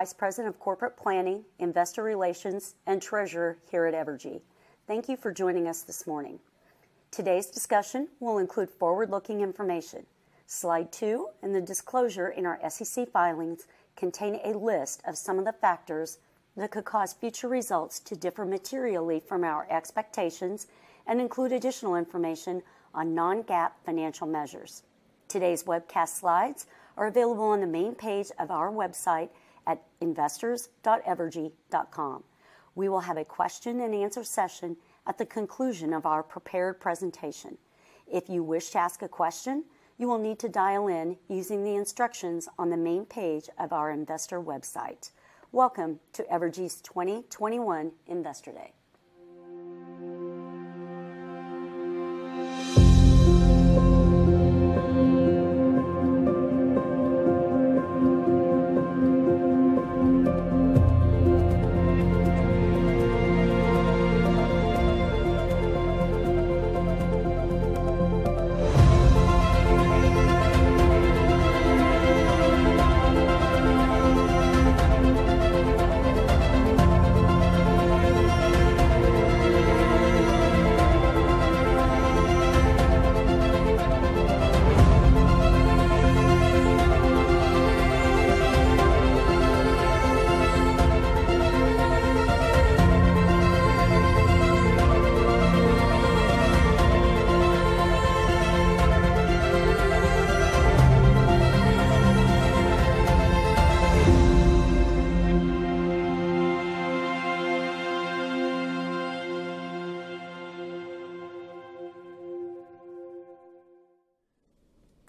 Good morning. I'm Lori Wright, Vice President of Corporate Planning, Investor Relations, and Treasurer here at Evergy. Thank you for joining us this morning. Today's discussion will include forward-looking information. Slide two and the disclosure in our SEC filings contain a list of some of the factors that could cause future results to differ materially from our expectations and include additional information on non-GAAP financial measures. Today's webcast slides are available on the main page of our website at investors.evergy.com. We will have a question and answer session at the conclusion of our prepared presentation. If you wish to ask a question, you will need to dial in using the instructions on the main page of our investor website. Welcome to Evergy's 2021 Investor Day.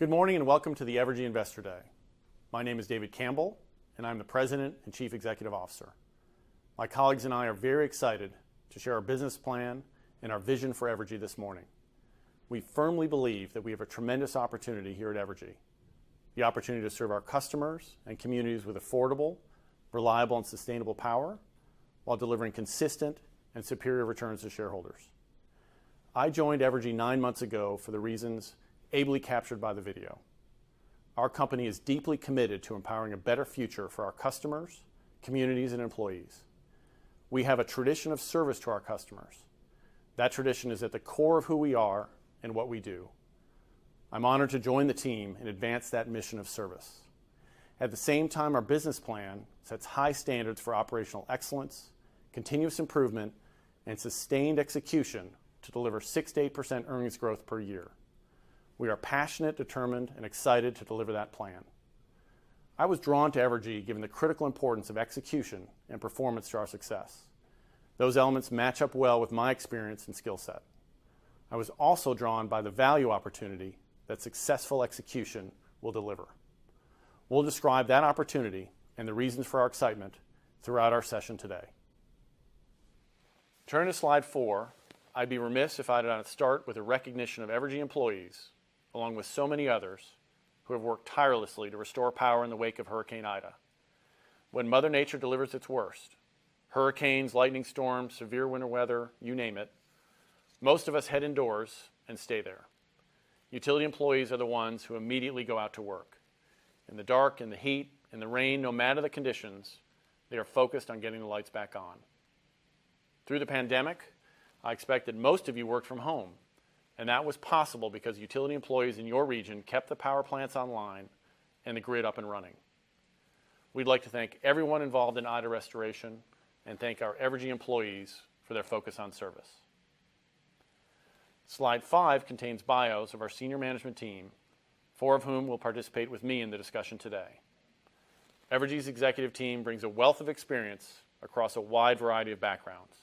Good morning, welcome to the Evergy Investor Day. My name is David Campbell, I'm the President and Chief Executive Officer. My colleagues and I are very excited to share our business plan and our vision for Evergy this morning. We firmly believe that we have a tremendous opportunity here at Evergy. The opportunity to serve our customers and communities with affordable, reliable, and sustainable power while delivering consistent and superior returns to shareholders. I joined Evergy nine months ago for the reasons ably captured by the video. Our company is deeply committed to empowering a better future for our customers, communities, and employees. We have a tradition of service to our customers. That tradition is at the core of who we are and what we do. I'm honored to join the team and advance that mission of service. At the same time, our business plan sets high standards for operational excellence, continuous improvement, and sustained execution to deliver 6%-8% earnings growth per year. We are passionate, determined, and excited to deliver that plan. I was drawn to Evergy given the critical importance of execution and performance to our success. Those elements match up well with my experience and skill set. I was also drawn by the value opportunity that successful execution will deliver. We will describe that opportunity and the reasons for our excitement throughout our session today. Turning to Slide four, I would be remiss if I did not start with a recognition of Evergy employees, along with so many others, who have worked tirelessly to restore power in the wake of Hurricane Ida. When Mother Nature delivers its worst, hurricanes, lightning storms, severe winter weather, you name it, most of us head indoors and stay there. Utility employees are the ones who immediately go out to work. In the dark, in the heat, in the rain, no matter the conditions, they are focused on getting the lights back on. Through the pandemic, I expect that most of you worked from home, and that was possible because utility employees in your region kept the power plants online and the grid up and running. We'd like to thank everyone involved in Ida restoration and thank our Evergy employees for their focus on service. Slide five contains bios of our senior management team, four of whom will participate with me in the discussion today. Evergy's executive team brings a wealth of experience across a wide variety of backgrounds.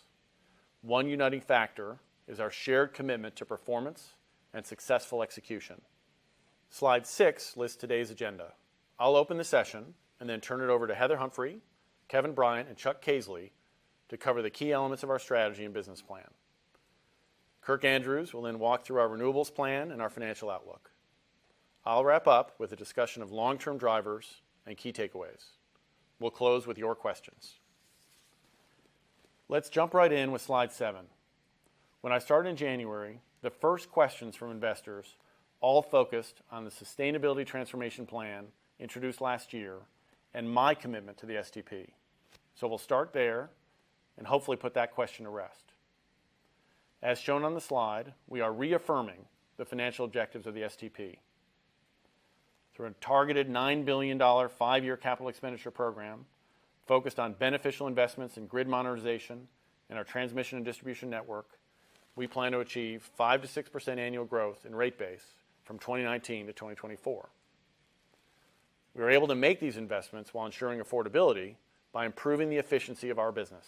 One uniting factor is our shared commitment to performance and successful execution. Slide six lists today's agenda. I'll open the session and then turn it over to Heather Humphrey, Kevin Bryant, and Chuck Caisley to cover the key elements of our strategy and business plan. Kirk Andrews will then walk through our renewables plan and our financial outlook. I'll wrap up with a discussion of long-term drivers and key takeaways. We'll close with your questions. Let's jump right in with slide seven. When I started in January, the first questions from investors all focused on the Sustainability Transformation Plan introduced last year and my commitment to the STP. We'll start there and hopefully put that question to rest. As shown on the slide, we are reaffirming the financial objectives of the STP. Through a targeted $9 billion five-year capital expenditure program focused on beneficial investments in grid modernization and our transmission and distribution network, we plan to achieve 5%-6% annual growth in rate base from 2019-2024. We are able to make these investments while ensuring affordability by improving the efficiency of our business.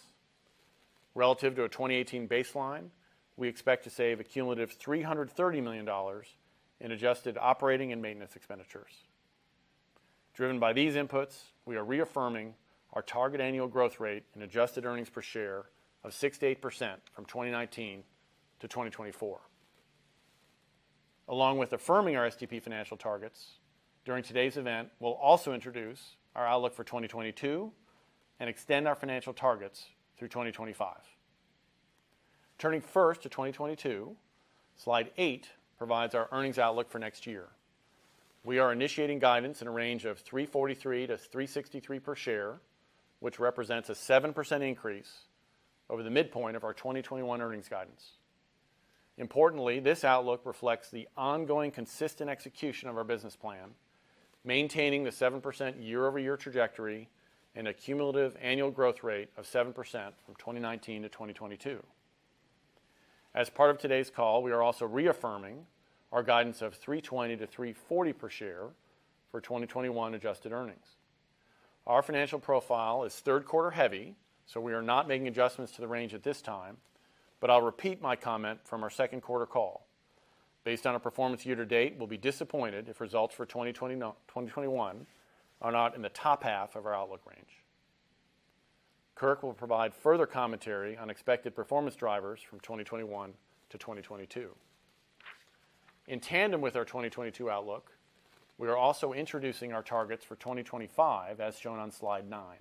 Relative to a 2018 baseline, we expect to save a cumulative $330 million in adjusted operating and maintenance expenditures. Driven by these inputs, we are reaffirming our target annual growth rate in adjusted earnings per share of 6%-8% from 2019-2024. Along with affirming our STP financial targets, during today's event, we'll also introduce our outlook for 2022 and extend our financial targets through 2025. Turning first to 2022, slide eight provides our earnings outlook for next year. We are initiating guidance in a range of $3.43-$3.63 per share, which represents a 7% increase over the midpoint of our 2021 earnings guidance. This outlook reflects the ongoing consistent execution of our business plan, maintaining the 7% year-over-year trajectory and a cumulative annual growth rate of 7% from 2019-2022. As part of today's call, we are also reaffirming our guidance of $3.20-$3.40 per share for 2021 adjusted earnings. Our financial profile is third quarter heavy, we are not making adjustments to the range at this time, but I'll repeat my comment from our second quarter call. Based on our performance year to date, we'll be disappointed if results for 2021 are not in the top half of our outlook range. Kirk will provide further commentary on expected performance drivers from 2021-2022. In tandem with our 2022 outlook, we are also introducing our targets for 2025, as shown on slide nine.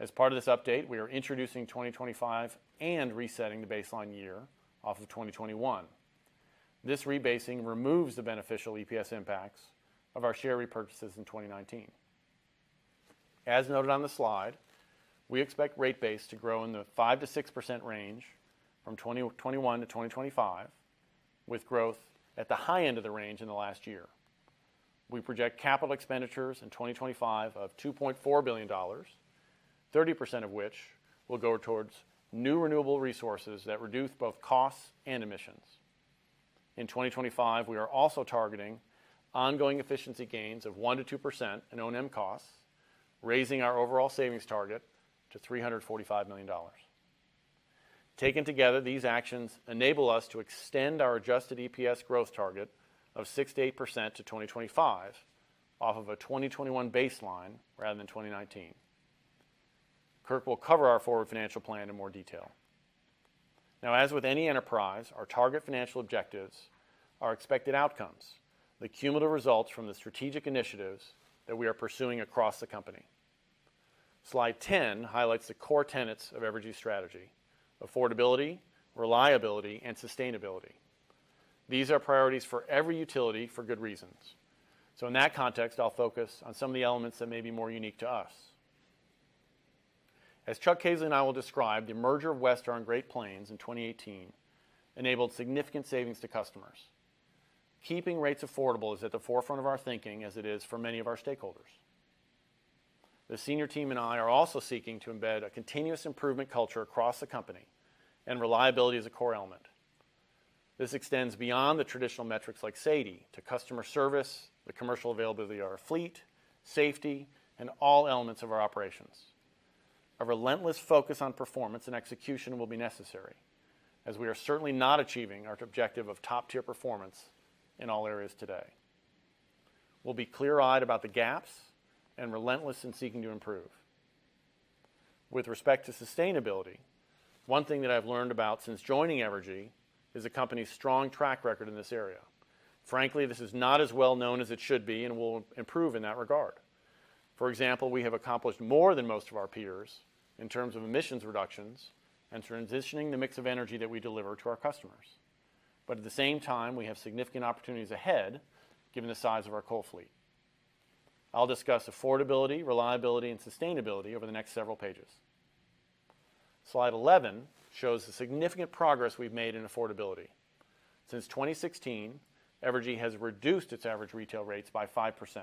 As part of this update, we are introducing 2025 and resetting the baseline year off of 2021. This rebasing removes the beneficial EPS impacts of our share repurchases in 2019. As noted on the slide, we expect rate base to grow in the 5%-6% range from 2021-2025, with growth at the high end of the range in the last year. We project capital expenditures in 2025 of $2.4 billion, 30% of which will go towards new renewable resources that reduce both costs and emissions. In 2025, we are also targeting ongoing efficiency gains of 1%-2% in O&M costs, raising our overall savings target to $345 million. Taken together, these actions enable us to extend our adjusted EPS growth target of 6%-8% to 2025 off of a 2021 baseline rather than 2019. Kirk will cover our forward financial plan in more detail. Now, as with any enterprise, our target financial objectives are expected outcomes, the cumulative results from the strategic initiatives that we are pursuing across the company. Slide 10 highlights the core tenets of Evergy's strategy: affordability, reliability, and sustainability. These are priorities for every utility for good reasons. In that context, I'll focus on some of the elements that may be more unique to us. As Chuck Caisley and I will describe, the merger of Westar and Great Plains in 2018 enabled significant savings to customers. Keeping rates affordable is at the forefront of our thinking, as it is for many of our stakeholders. The senior team and I are also seeking to embed a continuous improvement culture across the company, and reliability is a core element. This extends beyond the traditional metrics like SAIDI to customer service, the commercial availability of our fleet, safety, and all elements of our operations. A relentless focus on performance and execution will be necessary, as we are certainly not achieving our objective of top-tier performance in all areas today. We'll be clear-eyed about the gaps and relentless in seeking to improve. With respect to sustainability, one thing that I've learned about since joining Evergy is the company's strong track record in this area. Frankly, this is not as well known as it should be and will improve in that regard. For example, we have accomplished more than most of our peers in terms of emissions reductions and transitioning the mix of energy that we deliver to our customers. At the same time, we have significant opportunities ahead given the size of our coal fleet. I will discuss affordability, reliability, and sustainability over the next several pages. Slide 11 shows the significant progress we have made in affordability. Since 2016, Evergy has reduced its average retail rates by 5%.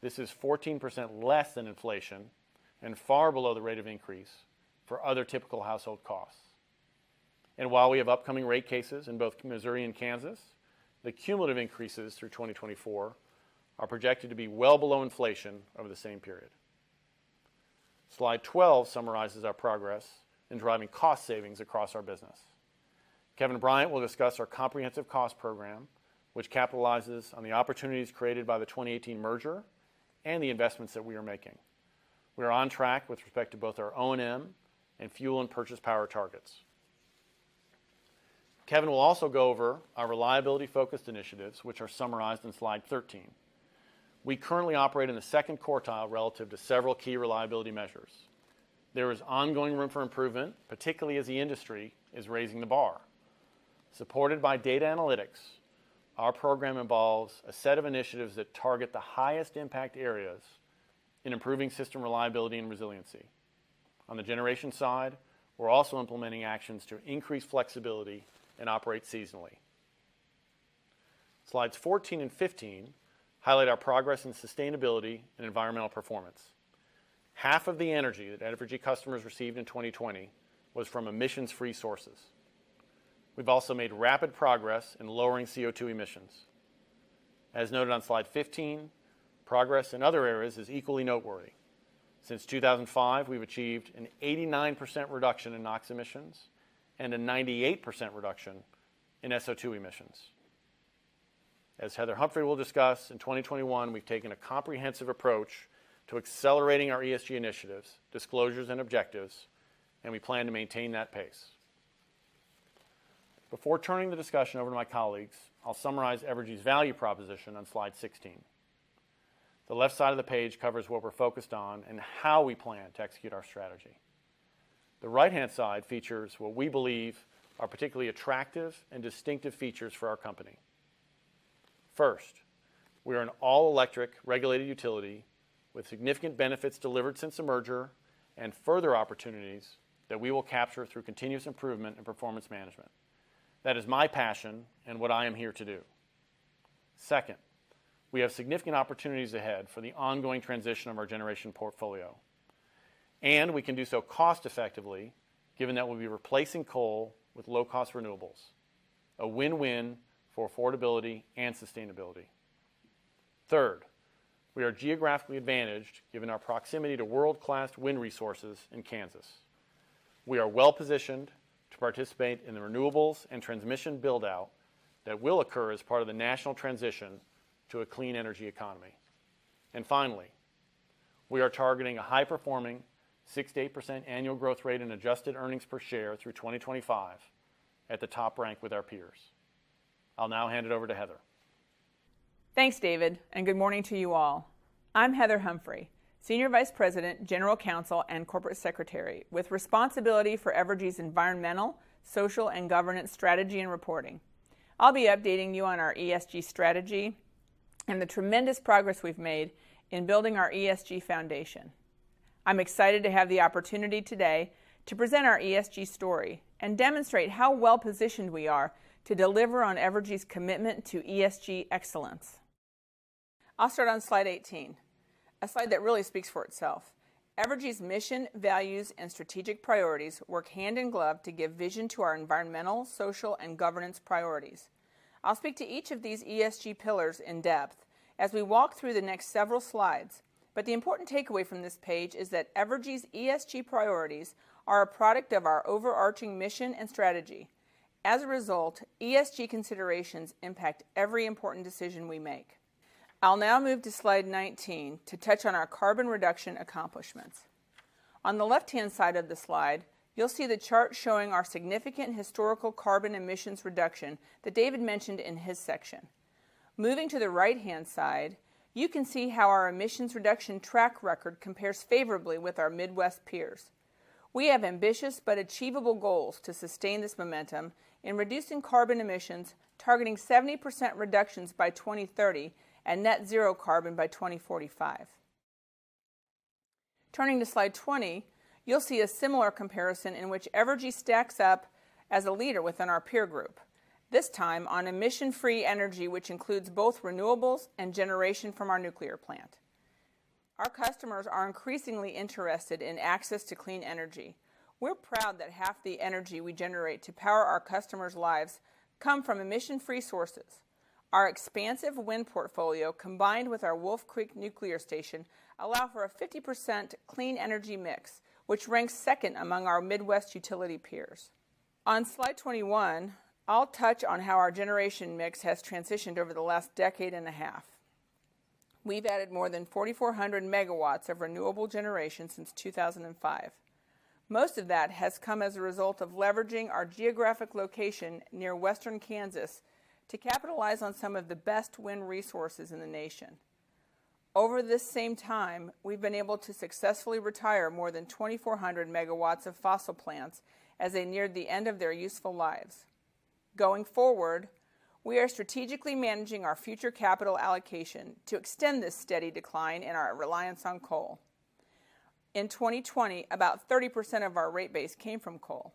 This is 14% less than inflation and far below the rate of increase for other typical household costs. While we have upcoming rate cases in both Missouri and Kansas, the cumulative increases through 2024 are projected to be well below inflation over the same period. Slide 12 summarizes our progress in driving cost savings across our business. Kevin Bryant will discuss our comprehensive cost program, which capitalizes on the opportunities created by the 2018 merger and the investments that we are making. We are on track with respect to both our O&M and fuel and purchase power targets. Kevin will also go over our reliability-focused initiatives, which are summarized in slide 13. We currently operate in the second quartile relative to several key reliability measures. There is ongoing room for improvement, particularly as the industry is raising the bar. Supported by data analytics, our program involves a set of initiatives that target the highest impact areas in improving system reliability and resiliency. On the generation side, we're also implementing actions to increase flexibility and operate seasonally. Slides 14 and 15 highlight our progress in sustainability and environmental performance. Half of the energy that Evergy customers received in 2020 was from emissions-free sources. We've also made rapid progress in lowering CO2 emissions. As noted on slide 15, progress in other areas is equally noteworthy. Since 2005, we've achieved an 89% reduction in NOx emissions and a 98% reduction in SO2 emissions. As Heather Humphrey will discuss, in 2021, we've taken a comprehensive approach to accelerating our ESG initiatives, disclosures, and objectives, and we plan to maintain that pace. Before turning the discussion over to my colleagues, I'll summarize Evergy's value proposition on slide 16. The left side of the page covers what we're focused on and how we plan to execute our strategy. The right-hand side features what we believe are particularly attractive and distinctive features for our company. First, we are an all-electric regulated utility with significant benefits delivered since the merger, and further opportunities that we will capture through continuous improvement and performance management. That is my passion and what I am here to do. Second, we have significant opportunities ahead for the ongoing transition of our generation portfolio, and we can do so cost-effectively given that we'll be replacing coal with low-cost renewables. A win-win for affordability and sustainability. Third, we are geographically advantaged given our proximity to world-class wind resources in Kansas. We are well-positioned to participate in the renewables and transmission build-out that will occur as part of the national transition to a clean energy economy. Finally, we are targeting a high-performing 6%-8% annual growth rate in adjusted earnings per share through 2025 at the top rank with our peers. I'll now hand it over to Heather. Thanks, David, good morning to you all. I'm Heather Humphrey, Senior Vice President, General Counsel, and Corporate Secretary with responsibility for Evergy's environmental, social, and governance strategy and reporting. I'll be updating you on our ESG strategy and the tremendous progress we've made in building our ESG foundation. I'm excited to have the opportunity today to present our ESG story and demonstrate how well-positioned we are to deliver on Evergy's commitment to ESG excellence. I'll start on slide 18, a slide that really speaks for itself. Evergy's mission, values, and strategic priorities work hand in glove to give vision to our environmental, social, and governance priorities. I'll speak to each of these ESG pillars in depth as we walk through the next several slides, but the important takeaway from this page is that Evergy's ESG priorities are a product of our overarching mission and strategy. As a result, ESG considerations impact every important decision we make. I'll now move to slide 19 to touch on our carbon reduction accomplishments. On the left-hand side of the slide, you'll see the chart showing our significant historical carbon emissions reduction that David mentioned in his section. Moving to the right-hand side, you can see how our emissions reduction track record compares favorably with our Midwest peers. We have ambitious but achievable goals to sustain this momentum in reducing carbon emissions, targeting 70% reductions by 2030 and net zero carbon by 2045. Turning to slide 20, you'll see a similar comparison in which Evergy stacks up as a leader within our peer group, this time on emission-free energy, which includes both renewables and generation from our nuclear plant. Our customers are increasingly interested in access to clean energy. We're proud that half the energy we generate to power our customers' lives come from emission-free sources. Our expansive wind portfolio, combined with our Wolf Creek Nuclear Station, allow for a 50% clean energy mix, which ranks second among our Midwest utility peers. On slide 21, I'll touch on how our generation mix has transitioned over the last decade and a half. We've added more than 4,400 MW of renewable generation since 2005. Most of that has come as a result of leveraging our geographic location near western Kansas to capitalize on some of the best wind resources in the nation. Over this same time, we've been able to successfully retire more than 2,400 MW of fossil plants as they neared the end of their useful lives. Going forward, we are strategically managing our future capital allocation to extend this steady decline in our reliance on coal. In 2020, about 30% of our rate base came from coal.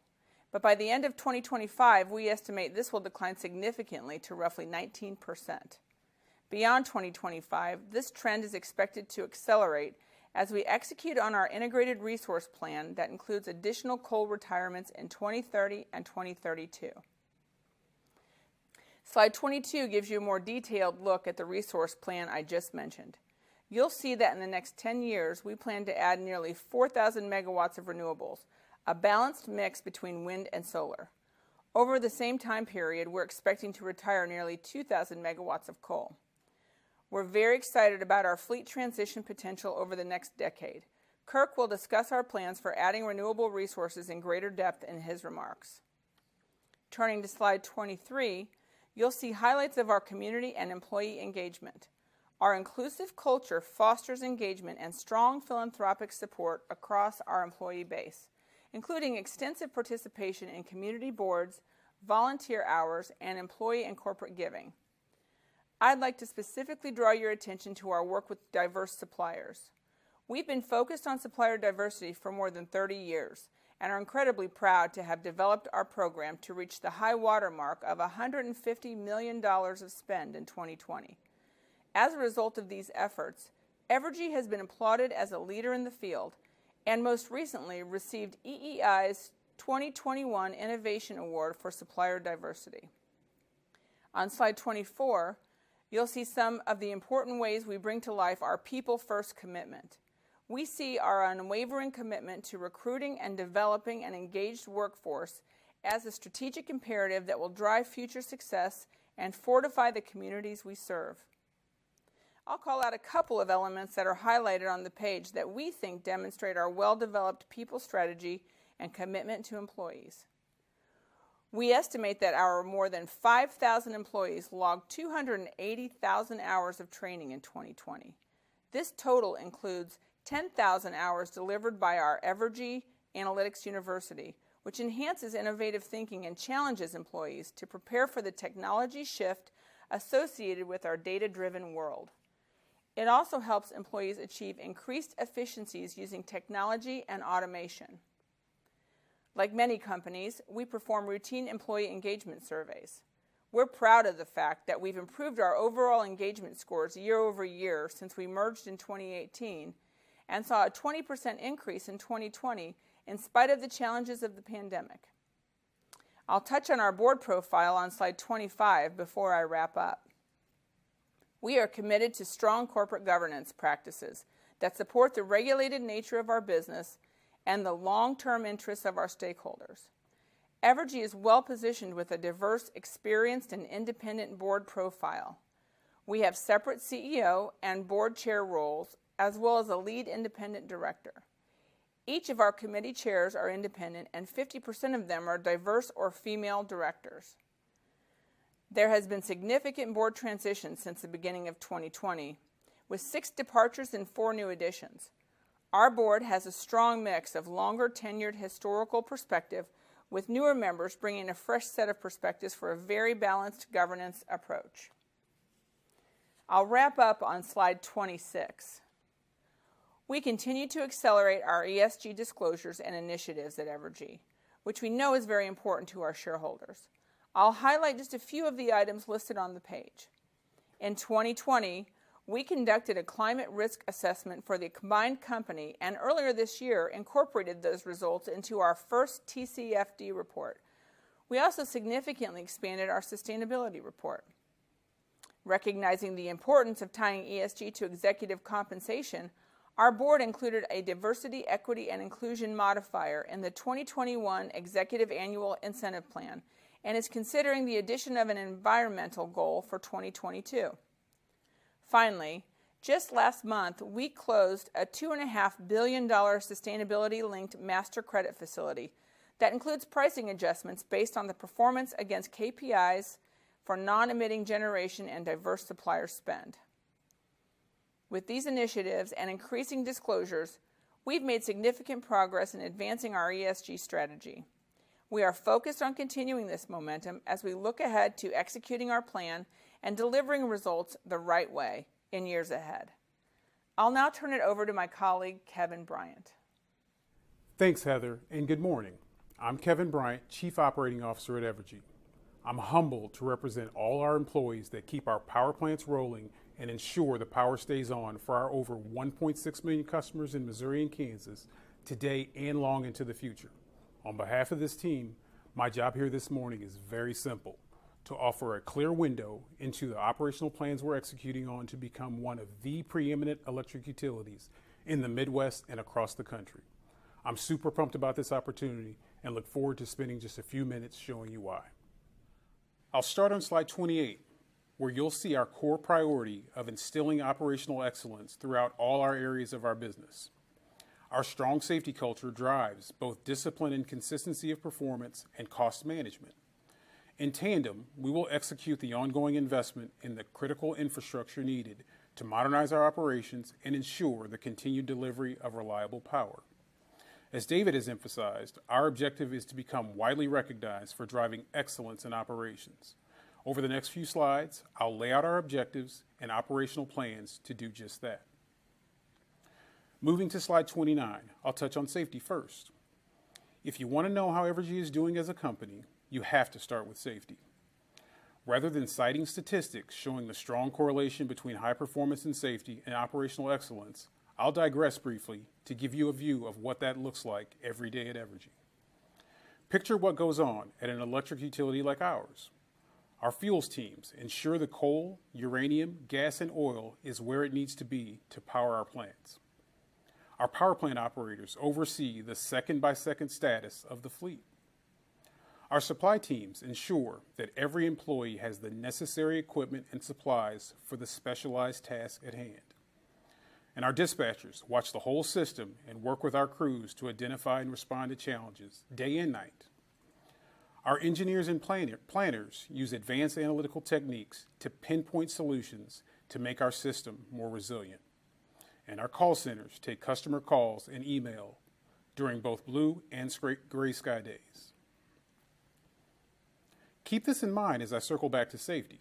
By the end of 2025, we estimate this will decline significantly to roughly 19%. Beyond 2025, this trend is expected to accelerate as we execute on our Integrated Resource Plan that includes additional coal retirements in 2030 and 2032. Slide 22 gives you a more detailed look at the resource plan I just mentioned. You'll see that in the next 10 years, we plan to add nearly 4,000 MW of renewables, a balanced mix between wind and solar. Over the same time period, we're expecting to retire nearly 2,000 MW of coal. We're very excited about our fleet transition potential over the next decade. Kirk will discuss our plans for adding renewable resources in greater depth in his remarks. Turning to slide 23, you'll see highlights of our community and employee engagement. Our inclusive culture fosters engagement and strong philanthropic support across our employee base, including extensive participation in community boards, volunteer hours, and employee and corporate giving. I'd like to specifically draw your attention to our work with diverse suppliers. We've been focused on supplier diversity for more than 30 years and are incredibly proud to have developed our program to reach the high watermark of $150 million of spend in 2020. As a result of these efforts, Evergy has been applauded as a leader in the field, and most recently received EEI's 2021 Innovation Award for Supplier Diversity. On slide 24, you'll see some of the important ways we bring to life our People First commitment. We see our unwavering commitment to recruiting and developing an engaged workforce as a strategic imperative that will drive future success and fortify the communities we serve. I'll call out a couple of elements that are highlighted on the page that we think demonstrate our well-developed people strategy and commitment to employees. We estimate that our more than 5,000 employees logged 280,000 hours of training in 2020. This total includes 10,000 hours delivered by our Evergy Analytics University, which enhances innovative thinking and challenges employees to prepare for the technology shift associated with our data-driven world. It also helps employees achieve increased efficiencies using technology and automation. Like many companies, we perform routine employee engagement surveys. We're proud of the fact that we've improved our overall engagement scores year-over-year since we merged in 2018 and saw a 20% increase in 2020 in spite of the challenges of the pandemic. I'll touch on our board profile on slide 25 before I wrap up. We are committed to strong corporate governance practices that support the regulated nature of our business and the long-term interests of our stakeholders. Evergy is well-positioned with a diverse, experienced, and independent board profile. We have separate CEO and board chair roles, as well as a lead independent director. Each of our committee chairs are independent, and 50% of them are diverse or female directors. There has been significant board transitions since the beginning of 2020, with six departures and four new additions. Our board has a strong mix of longer-tenured historical perspective with newer members bringing a fresh set of perspectives for a very balanced governance approach. I'll wrap up on slide 26. We continue to accelerate our ESG disclosures and initiatives at Evergy, which we know is very important to our shareholders. I'll highlight just a few of the items listed on the page. In 2020, we conducted a climate risk assessment for the combined company and earlier this year incorporated those results into our first TCFD report. We also significantly expanded our sustainability report. Recognizing the importance of tying ESG to executive compensation, our board included a diversity, equity, and inclusion modifier in the 2021 executive annual incentive plan and is considering the addition of an environmental goal for 2022. Just last month, we closed a $2.5 billion sustainability-linked master credit facility that includes pricing adjustments based on the performance against KPIs for non-emitting generation and diverse supplier spend. With these initiatives and increasing disclosures, we've made significant progress in advancing our ESG strategy. We are focused on continuing this momentum as we look ahead to executing our plan and delivering results the right way in years ahead. I'll now turn it over to my colleague, Kevin Bryant. Thanks, Heather, and good morning. I'm Kevin Bryant, Chief Operating Officer at Evergy. I'm humbled to represent all our employees that keep our power plants rolling and ensure the power stays on for our over 1.6 million customers in Missouri and Kansas today and long into the future. On behalf of this team, my job here this morning is very simple, to offer a clear window into the operational plans we're executing on to become one of the preeminent electric utilities in the Midwest and across the country. I'm super pumped about this opportunity and look forward to spending just a few minutes showing you why. I'll start on slide 28, where you'll see our core priority of instilling operational excellence throughout all our areas of our business. Our strong safety culture drives both discipline and consistency of performance and cost management. In tandem, we will execute the ongoing investment in the critical infrastructure needed to modernize our operations and ensure the continued delivery of reliable power. As David has emphasized, our objective is to become widely recognized for driving excellence in operations. Over the next few slides, I'll lay out our objectives and operational plans to do just that. Moving to slide 29, I'll touch on safety first. If you want to know how Evergy is doing as a company, you have to start with safety. Rather than citing statistics showing the strong correlation between high performance and safety and operational excellence, I'll digress briefly to give you a view of what that looks like every day at Evergy. Picture what goes on at an electric utility like ours. Our fuels teams ensure the coal, uranium, gas, and oil is where it needs to be to power our plants. Our power plant operators oversee the second-by-second status of the fleet. Our supply teams ensure that every employee has the necessary equipment and supplies for the specialized task at hand. Our dispatchers watch the whole system and work with our crews to identify and respond to challenges day and night. Our engineers and planners use advanced analytical techniques to pinpoint solutions to make our system more resilient. Our call centers take customer calls and email during both blue and gray sky days. Keep this in mind as I circle back to safety.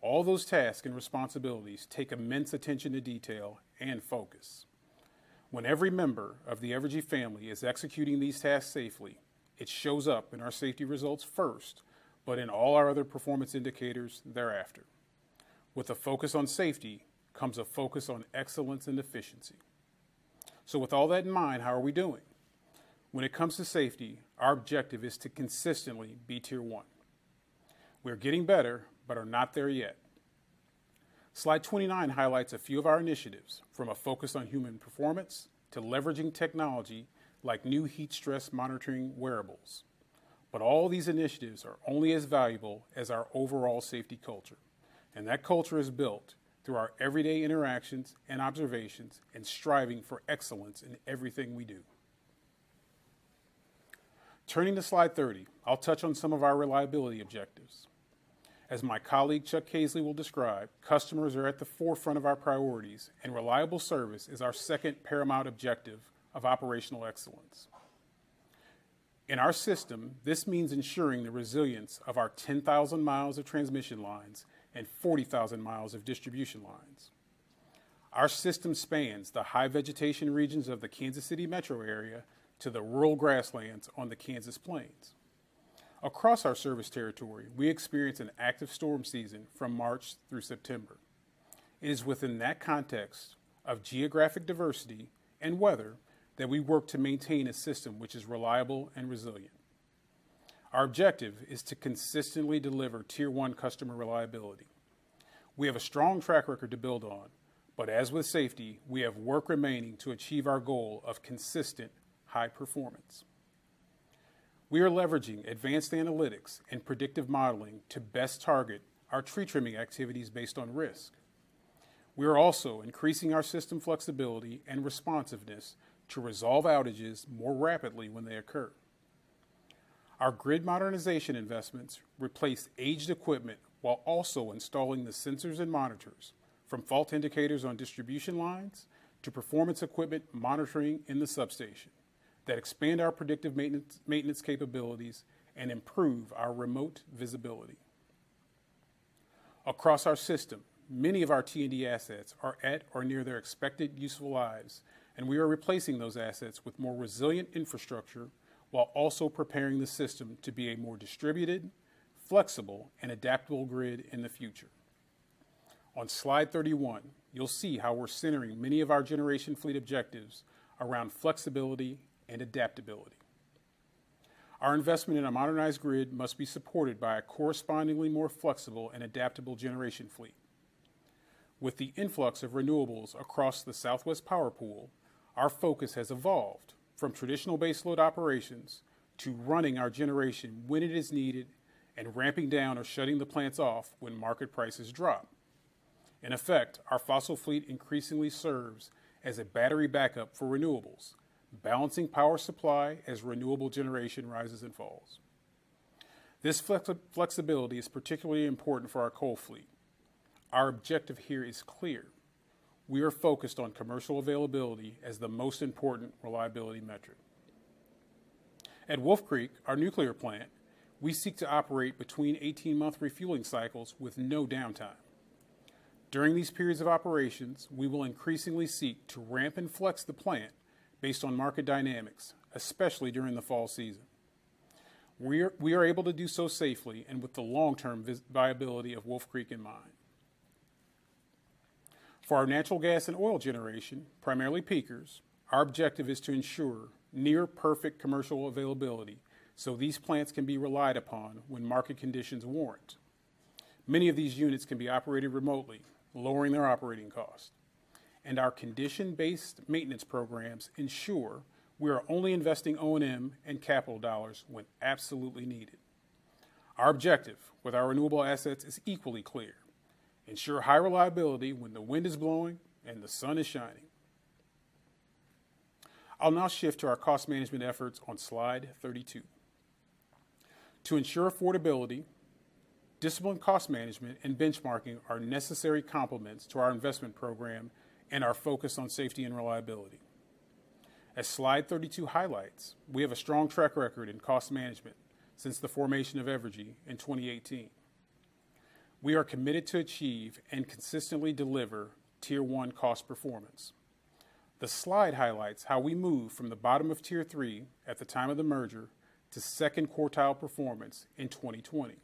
All those tasks and responsibilities take immense attention to detail and focus. When every member of the Evergy family is executing these tasks safely, it shows up in our safety results first, but in all our other performance indicators thereafter. With a focus on safety comes a focus on excellence and efficiency. With all that in mind, how are we doing? When it comes to safety, our objective is to consistently be Tier 1. We're getting better, but are not there yet. Slide 29 highlights a few of our initiatives, from a focus on human performance to leveraging technology like new heat stress monitoring wearables. All these initiatives are only as valuable as our overall safety culture. That culture is built through our everyday interactions and observations and striving for excellence in everything we do. Turning to Slide 30, I'll touch on some of our reliability objectives. As my colleague, Chuck Caisley, will describe, customers are at the forefront of our priorities, and reliable service is our second paramount objective of operational excellence. In our system, this means ensuring the resilience of our 10,000 mi of transmission lines and 40,000 mi of distribution lines. Our system spans the high-vegetation regions of the Kansas City metro area to the rural grasslands on the Kansas plains. Across our service territory, we experience an active storm season from March through September. It is within that context of geographic diversity and weather that we work to maintain a system which is reliable and resilient. Our objective is to consistently deliver Tier 1 customer reliability. We have a strong track record to build on, but as with safety, we have work remaining to achieve our goal of consistent high performance. We are leveraging advanced analytics and predictive modeling to best target our tree-trimming activities based on risk. We are also increasing our system flexibility and responsiveness to resolve outages more rapidly when they occur. Our grid modernization investments replace aged equipment while also installing the sensors and monitors from fault indicators on distribution lines to performance equipment monitoring in the substation that expand our predictive maintenance capabilities and improve our remote visibility. Across our system, many of our T&D assets are at or near their expected useful lives, and we are replacing those assets with more resilient infrastructure while also preparing the system to be a more distributed, flexible, and adaptable grid in the future. On slide 31, you'll see how we're centering many of our generation fleet objectives around flexibility and adaptability. Our investment in a modernized grid must be supported by a correspondingly more flexible and adaptable generation fleet. With the influx of renewables across the Southwest Power Pool, our focus has evolved from traditional baseload operations to running our generation when it is needed and ramping down or shutting the plants off when market prices drop. In effect, our fossil fleet increasingly serves as a battery backup for renewables, balancing power supply as renewable generation rises and falls. This flexibility is particularly important for our coal fleet. Our objective here is clear. We are focused on commercial availability as the most important reliability metric. At Wolf Creek, our nuclear plant, we seek to operate between 18-month refueling cycles with no downtime. During these periods of operations, we will increasingly seek to ramp and flex the plant based on market dynamics, especially during the fall season. We are able to do so safely and with the long-term viability of Wolf Creek in mind. For our natural gas and oil generation, primarily peakers, our objective is to ensure near-perfect commercial availability so these plants can be relied upon when market conditions warrant. Many of these units can be operated remotely, lowering their operating cost, and our condition-based maintenance programs ensure we are only investing O&M and capital dollars when absolutely needed. Our objective with our renewable assets is equally clear: ensure high reliability when the wind is blowing and the sun is shining. I'll now shift to our cost management efforts on slide 32. To ensure affordability, disciplined cost management and benchmarking are necessary complements to our investment program and our focus on safety and reliability. As slide 32 highlights, we have a strong track record in cost management since the formation of Evergy in 2018. We are committed to achieve and consistently deliver Tier 1 cost performance. The slide highlights how we move from the bottom of Tier 3 at the time of the merger to second quartile performance in 2020.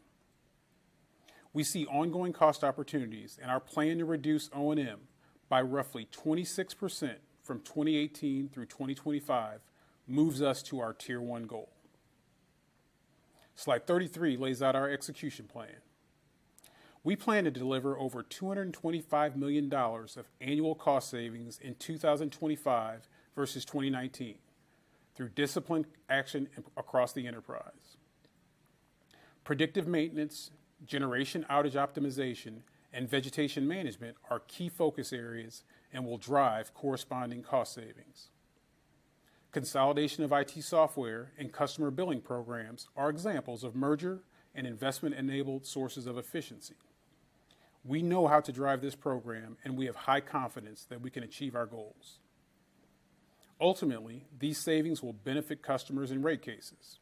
We see ongoing cost opportunities, and our plan to reduce O&M by roughly 26% from 2018 through 2025 moves us to our Tier 1 goal. Slide 33 lays out our execution plan. We plan to deliver over $225 million of annual cost savings in 2025 versus 2019 through disciplined action across the enterprise. Predictive maintenance, generation outage optimization, and vegetation management are key focus areas and will drive corresponding cost savings. Consolidation of IT software and customer billing programs are examples of merger and investment-enabled sources of efficiency. We know how to drive this program, and we have high confidence that we can achieve our goals. Ultimately, these savings will benefit customers in rate cases.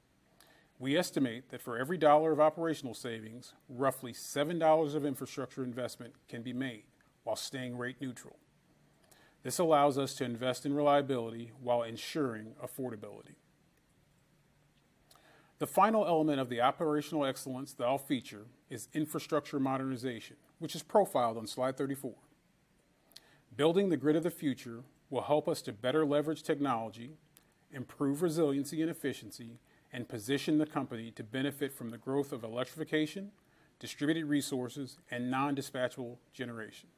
We estimate that for every $1 of operational savings, roughly $7 of infrastructure investment can be made while staying rate-neutral. This allows us to invest in reliability while ensuring affordability. The final element of the operational excellence that I'll feature is infrastructure modernization, which is profiled on slide 34. Building the Grid of the Future will help us to better leverage technology, improve resiliency and efficiency, and position the company to benefit from the growth of electrification, distributed resources, and non-dispatchable generation.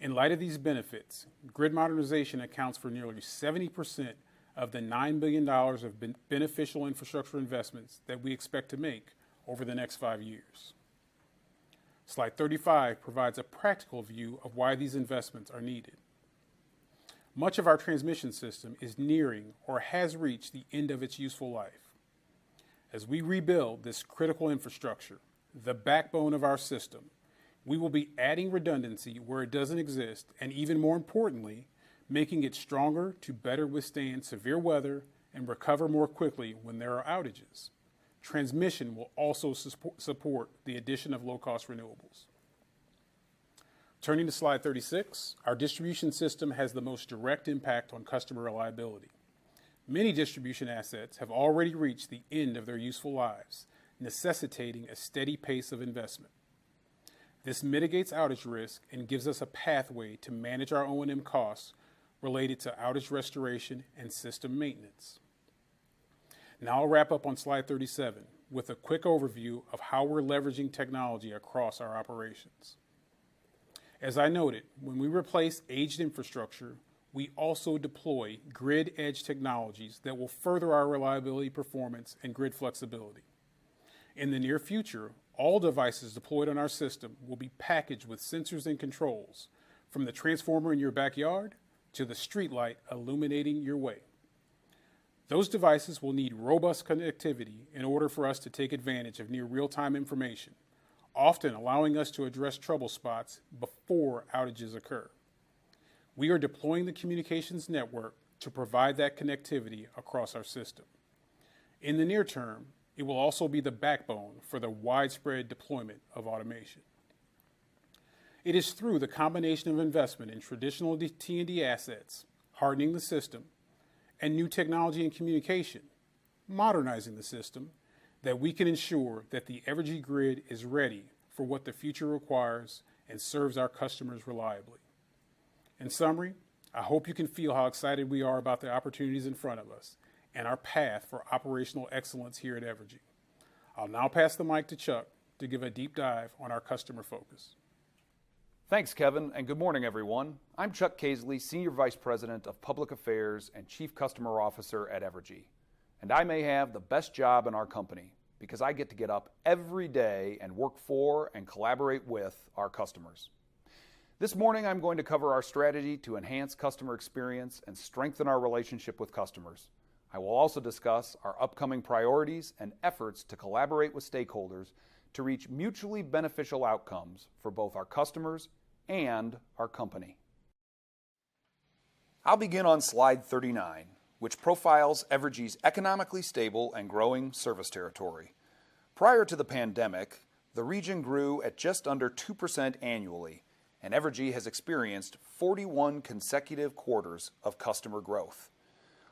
In light of these benefits, grid modernization accounts for nearly 70% of the $9 billion of beneficial infrastructure investments that we expect to make over the next five years. Slide 35 provides a practical view of why these investments are needed. Much of our transmission system is nearing or has reached the end of its useful life. As we rebuild this critical infrastructure, the backbone of our system, we will be adding redundancy where it doesn't exist, and even more importantly, making it stronger to better withstand severe weather and recover more quickly when there are outages. Transmission will also support the addition of low-cost renewables. Turning to slide 36, our distribution system has the most direct impact on customer reliability. Many distribution assets have already reached the end of their useful lives, necessitating a steady pace of investment. This mitigates outage risk and gives us a pathway to manage our O&M costs related to outage restoration and system maintenance. Now I'll wrap up on slide 37 with a quick overview of how we're leveraging technology across our operations. As I noted, when we replace aged infrastructure, we also deploy grid edge technologies that will further our reliability, performance, and grid flexibility. In the near future, all devices deployed on our system will be packaged with sensors and controls, from the transformer in your backyard to the streetlight illuminating your way. Those devices will need robust connectivity in order for us to take advantage of near real-time information, often allowing us to address trouble spots before outages occur. We are deploying the communications network to provide that connectivity across our system. In the near term, it will also be the backbone for the widespread deployment of automation. It is through the combination of investment in traditional T&D assets, hardening the system, and new technology and communication, modernizing the system, that we can ensure that the Evergy grid is ready for what the future requires and serves our customers reliably. In summary, I hope you can feel how excited we are about the opportunities in front of us and our path for operational excellence here at Evergy. I'll now pass the mic to Chuck to give a deep dive on our customer focus. Thanks, Kevin. Good morning, everyone. I'm Chuck Caisley, Senior Vice President of Public Affairs and Chief Customer Officer at Evergy, and I may have the best job in our company because I get to get up every day and work for and collaborate with our customers. This morning, I'm going to cover our strategy to enhance customer experience and strengthen our relationship with customers. I will also discuss our upcoming priorities and efforts to collaborate with stakeholders to reach mutually beneficial outcomes for both our customers and our company. I'll begin on slide 39, which profiles Evergy's economically stable and growing service territory. Prior to the pandemic, the region grew at just under 2% annually, and Evergy has experienced 41 consecutive quarters of customer growth.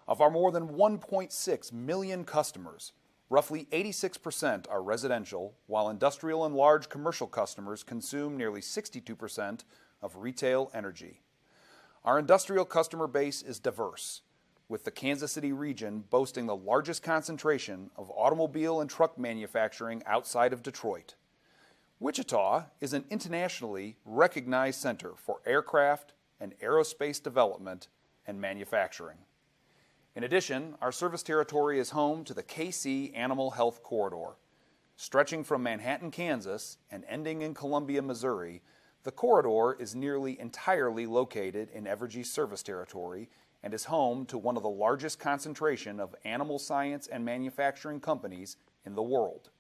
Of our more than 1.6 million customers, roughly 86% are residential, while industrial and large commercial customers consume nearly 62% of retail energy. Our industrial customer base is diverse, with the Kansas City region boasting the largest concentration of automobile and truck manufacturing outside of Detroit. Wichita is an internationally recognized center for aircraft and aerospace development and manufacturing. In addition, our service territory is home to the KC Animal Health Corridor. Stretching from Manhattan, Kansas, and ending in Columbia, Missouri, the corridor is nearly entirely located in Evergy's service territory and is home to one of the largest concentration of animal science and manufacturing companies in the world.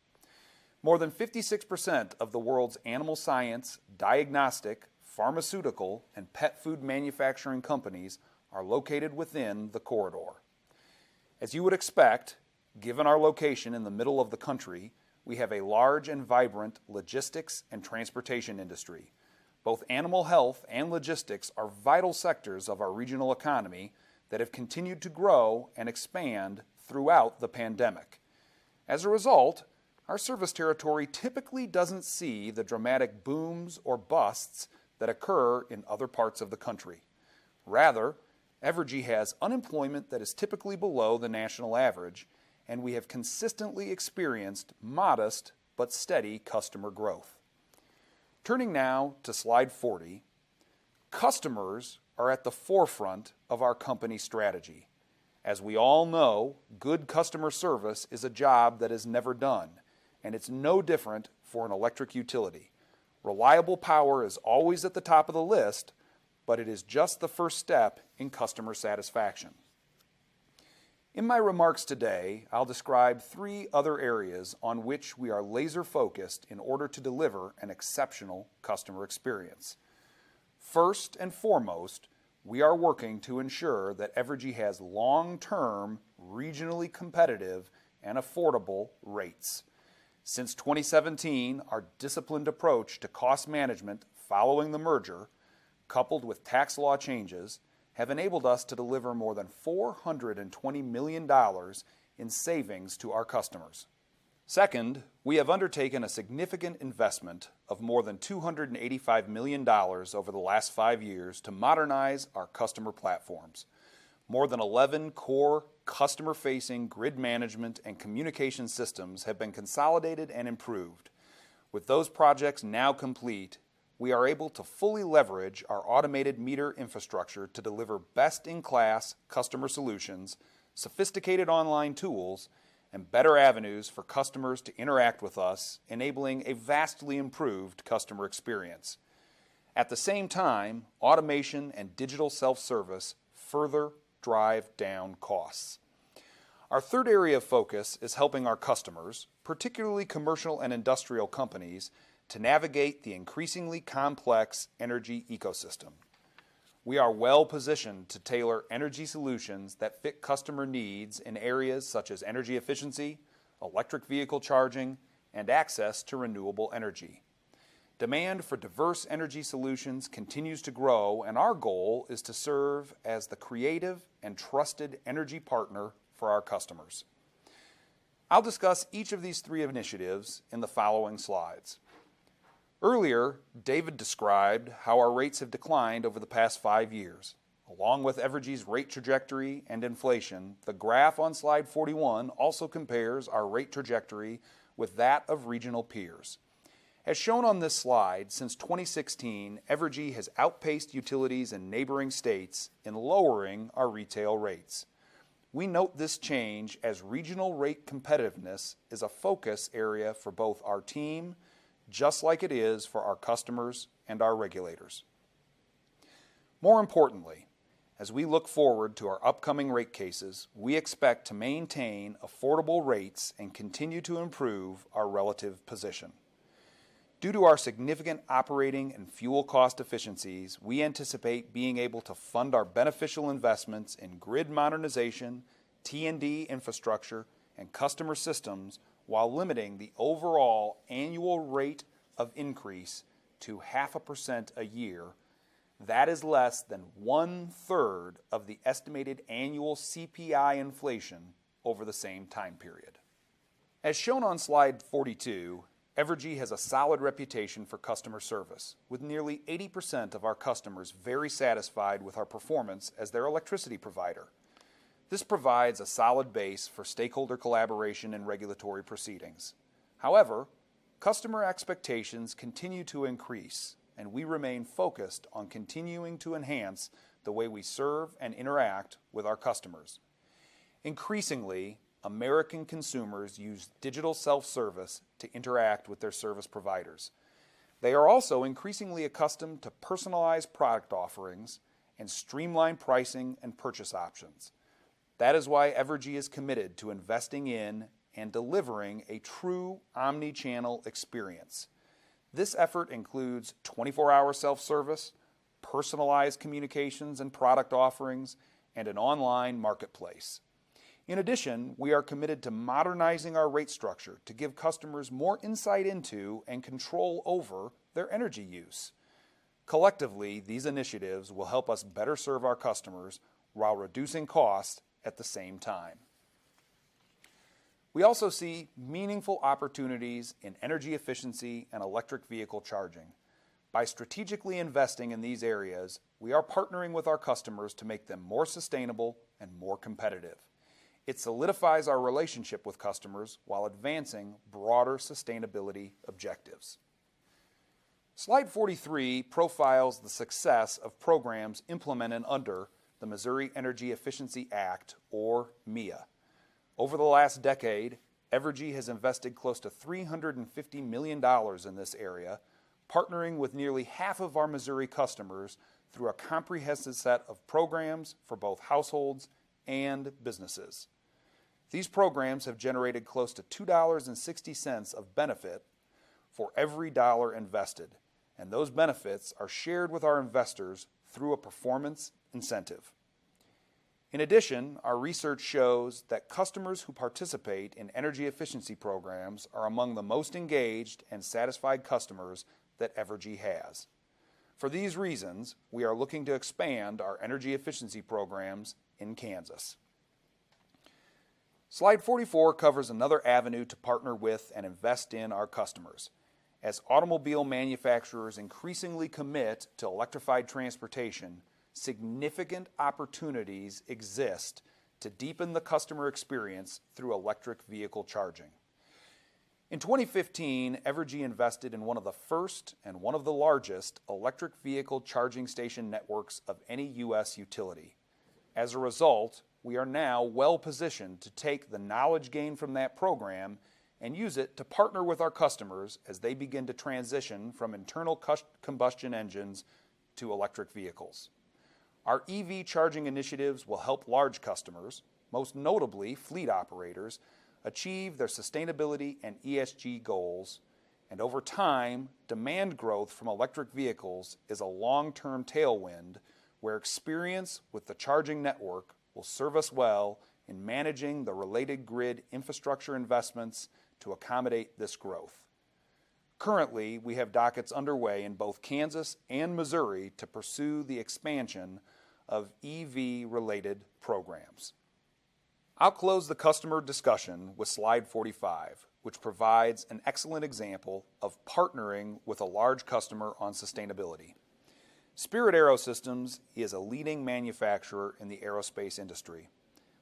More than 56% of the world's animal science, diagnostic, pharmaceutical, and pet food manufacturing companies are located within the corridor. As you would expect, given our location in the middle of the country, we have a large and vibrant logistics and transportation industry. Both animal health and logistics are vital sectors of our regional economy that have continued to grow and expand throughout the pandemic. As a result, our service territory typically doesn't see the dramatic booms or busts that occur in other parts of the country. Rather, Evergy has unemployment that is typically below the national average, and we have consistently experienced modest but steady customer growth. Turning now to slide 40, customers are at the forefront of our company strategy. As we all know, good customer service is a job that is never done, and it's no different for an electric utility. Reliable power is always at the top of the list, but it is just the first step in customer satisfaction. In my remarks today, I'll describe three other areas on which we are laser-focused in order to deliver an exceptional customer experience. First and foremost, we are working to ensure that Evergy has long-term, regionally competitive, and affordable rates. Since 2017, our disciplined approach to cost management following the merger, coupled with tax law changes, have enabled us to deliver more than $420 million in savings to our customers. Second, we have undertaken a significant investment of more than $285 million over the last five years to modernize our customer platforms. More than 11 core customer-facing grid management and communication systems have been consolidated and improved. With those projects now complete, we are able to fully leverage our automated meter infrastructure to deliver best-in-class customer solutions, sophisticated online tools, and better avenues for customers to interact with us, enabling a vastly improved customer experience. At the same time, automation and digital self-service further drive down costs. Our third area of focus is helping our customers, particularly commercial and industrial companies, to navigate the increasingly complex energy ecosystem. We are well-positioned to tailor energy solutions that fit customer needs in areas such as energy efficiency, electric vehicle charging, and access to renewable energy. Demand for diverse energy solutions continues to grow, and our goal is to serve as the creative and trusted energy partner for our customers. I'll discuss each of these three initiatives in the following slides. Earlier, David described how our rates have declined over the past five years. Along with Evergy's rate trajectory and inflation, the graph on slide 41 also compares our rate trajectory with that of regional peers. As shown on this slide, since 2016, Evergy has outpaced utilities in neighboring states in lowering our retail rates. We note this change as regional rate competitiveness is a focus area for both our team, just like it is for our customers and our regulators. More importantly, as we look forward to our upcoming rate cases, we expect to maintain affordable rates and continue to improve our relative position. Due to our significant operating and fuel cost efficiencies, we anticipate being able to fund our beneficial investments in grid modernization, T&D infrastructure, and customer systems, while limiting the overall annual rate of increase to 0.5% a year. That is less than one-third of the estimated annual CPI inflation over the same time period. As shown on slide 42, Evergy has a solid reputation for customer service, with nearly 80% of our customers very satisfied with our performance as their electricity provider. This provides a solid base for stakeholder collaboration in regulatory proceedings. However, customer expectations continue to increase, and we remain focused on continuing to enhance the way we serve and interact with our customers. Increasingly, American consumers use digital self-service to interact with their service providers. They are also increasingly accustomed to personalized product offerings and streamlined pricing and purchase options. That is why Evergy is committed to investing in and delivering a true omni-channel experience. This effort includes 24-hour self-service, personalized communications and product offerings, and an online marketplace. In addition, we are committed to modernizing our rate structure to give customers more insight into and control over their energy use. Collectively, these initiatives will help us better serve our customers while reducing costs at the same time. We also see meaningful opportunities in energy efficiency and electric vehicle charging. By strategically investing in these areas, we are partnering with our customers to make them more sustainable and more competitive. It solidifies our relationship with customers while advancing broader sustainability objectives. Slide 43 profiles the success of programs implemented under the Missouri Energy Efficiency Act, or MEEIA. Over the last decade, Evergy has invested close to $350 million in this area, partnering with nearly half of our Missouri customers through a comprehensive set of programs for both households and businesses. These programs have generated close to $2.60 of benefit for every dollar invested. Those benefits are shared with our investors through a performance incentive. In addition, our research shows that customers who participate in energy efficiency programs are among the most engaged and satisfied customers that Evergy has. For these reasons, we are looking to expand our energy efficiency programs in Kansas. Slide 44 covers another avenue to partner with and invest in our customers. As automobile manufacturers increasingly commit to electrified transportation, significant opportunities exist to deepen the customer experience through electric vehicle charging. In 2015, Evergy invested in one of the first and one of the largest electric vehicle charging station networks of any U.S. utility. As a result, we are now well-positioned to take the knowledge gained from that program and use it to partner with our customers as they begin to transition from internal combustion engines to electric vehicles. Our EV charging initiatives will help large customers, most notably fleet operators, achieve their sustainability and ESG goals, and over time, demand growth from electric vehicles is a long-term tailwind where experience with the charging network will serve us well in managing the related grid infrastructure investments to accommodate this growth. Currently, we have dockets underway in both Kansas and Missouri to pursue the expansion of EV-related programs. I'll close the customer discussion with slide 45, which provides an excellent example of partnering with a large customer on sustainability. Spirit AeroSystems is a leading manufacturer in the aerospace industry.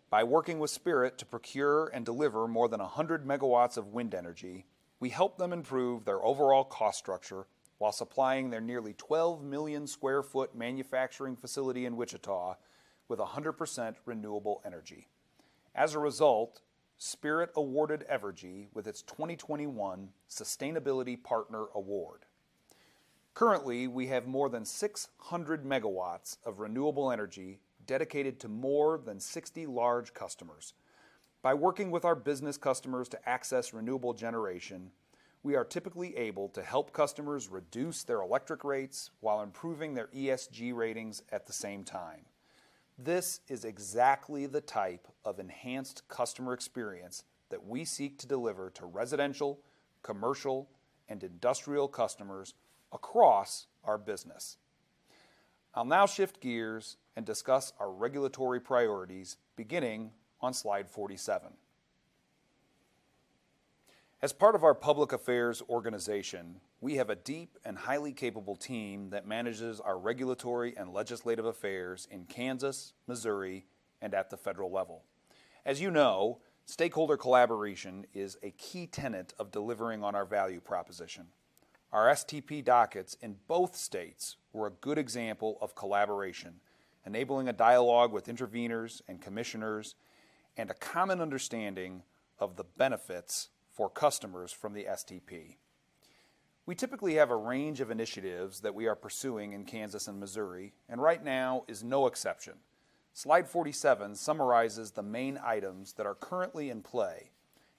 By working with Spirit to procure and deliver more than 100 MW of wind energy, we help them improve their overall cost structure while supplying their nearly 12 million sq ft manufacturing facility in Wichita with 100% renewable energy. As a result, Spirit awarded Evergy with its 2021 Sustainability Partner Award. Currently, we have more than 600 MW of renewable energy dedicated to more than 60 large customers. By working with our business customers to access renewable generation, we are typically able to help customers reduce their electric rates while improving their ESG ratings at the same time. This is exactly the type of enhanced customer experience that we seek to deliver to residential, commercial, and industrial customers across our business. I'll now shift gears and discuss our regulatory priorities beginning on slide 47. As part of our public affairs organization, we have a deep and highly capable team that manages our regulatory and legislative affairs in Kansas, Missouri, and at the federal level. As you know, stakeholder collaboration is a key tenet of delivering on our value proposition. Our STP dockets in both states were a good example of collaboration, enabling a dialogue with interveners and commissioners, and a common understanding of the benefits for customers from the STP. We typically have a range of initiatives that we are pursuing in Kansas and Missouri, and right now is no exception. Slide 47 summarizes the main items that are currently in play,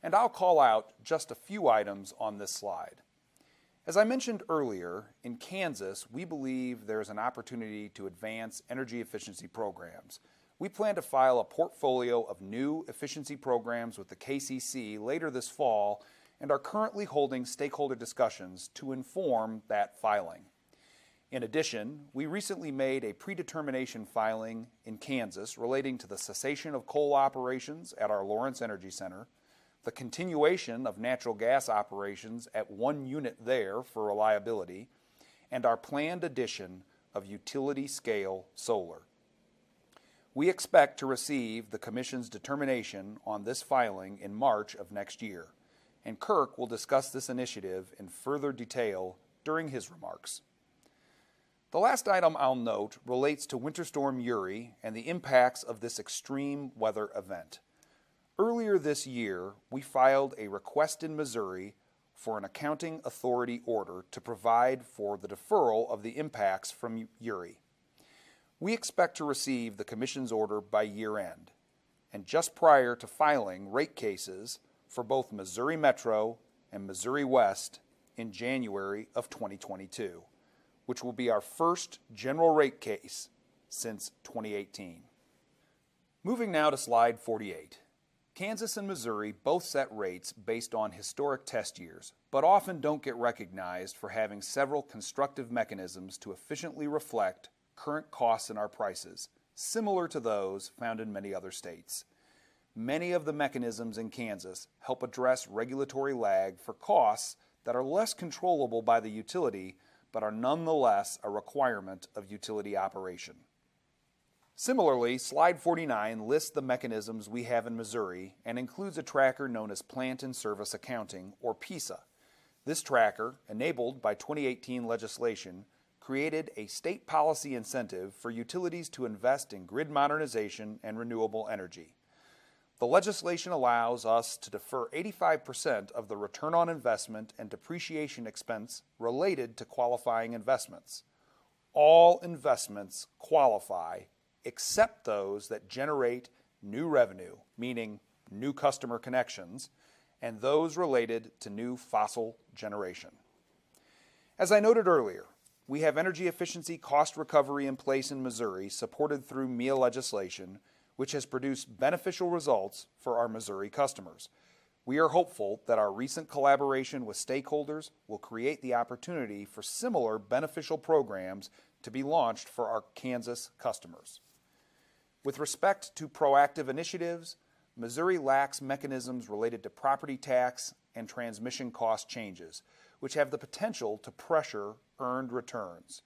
and I'll call out just a few items on this slide. As I mentioned earlier, in Kansas, we believe there's an opportunity to advance energy efficiency programs. We plan to file a portfolio of new efficiency programs with the KCC later this fall and are currently holding stakeholder discussions to inform that filing. In addition, we recently made a predetermination filing in Kansas relating to the cessation of coal operations at our Lawrence Energy Center, the continuation of natural gas operations at one unit there for reliability, and our planned addition of utility-scale solar. We expect to receive the commission's determination on this filing in March of next year, and Kirk will discuss this initiative in further detail during his remarks. The last item I'll note relates to Winter Storm Uri and the impacts of this extreme weather event. Earlier this year, we filed a request in Missouri for an accounting authority order to provide for the deferral of the impacts from Uri. We expect to receive the commission's order by year-end, and just prior to filing rate cases for both Missouri Metro and Missouri West in January of 2022, which will be our first general rate case since 2018. Moving now to slide 48. Kansas and Missouri both set rates based on historic test years, but often don't get recognized for having several constructive mechanisms to efficiently reflect current costs in our prices, similar to those found in many other states. Many of the mechanisms in Kansas help address regulatory lag for costs that are less controllable by the utility, but are nonetheless a requirement of utility operation. Similarly, slide 49 lists the mechanisms we have in Missouri and includes a tracker known as Plant in Service Accounting, or PISA. This tracker, enabled by 2018 legislation, created a state policy incentive for utilities to invest in grid modernization and renewable energy. The legislation allows us to defer 85% of the return on investment and depreciation expense related to qualifying investments. All investments qualify except those that generate new revenue, meaning new customer connections, and those related to new fossil generation. As I noted earlier, we have energy efficiency cost recovery in place in Missouri, supported through MEEIA legislation, which has produced beneficial results for our Missouri customers. We are hopeful that our recent collaboration with stakeholders will create the opportunity for similar beneficial programs to be launched for our Kansas customers. With respect to proactive initiatives, Missouri lacks mechanisms related to property tax and transmission cost changes, which have the potential to pressure earned returns.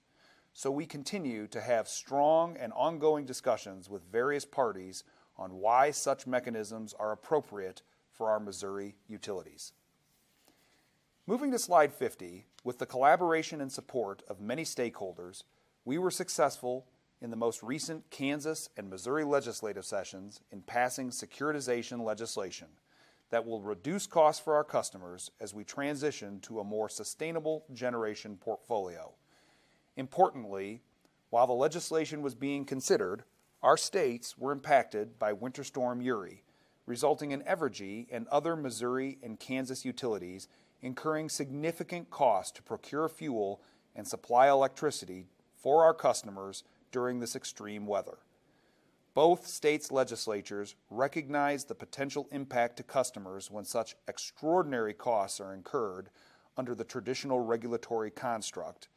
We continue to have strong and ongoing discussions with various parties on why such mechanisms are appropriate for our Missouri utilities. Moving to slide 50, with the collaboration and support of many stakeholders, we were successful in the most recent Kansas and Missouri legislative sessions in passing securitization legislation that will reduce costs for our customers as we transition to a more sustainable generation portfolio. Importantly, while the legislation was being considered, our states were impacted by Winter Storm Uri, resulting in Evergy and other Missouri and Kansas utilities incurring significant cost to procure fuel and supply electricity for our customers during this extreme weather. Both states' legislatures recognized the potential impact to customers when such extraordinary costs are incurred under the traditional regulatory construct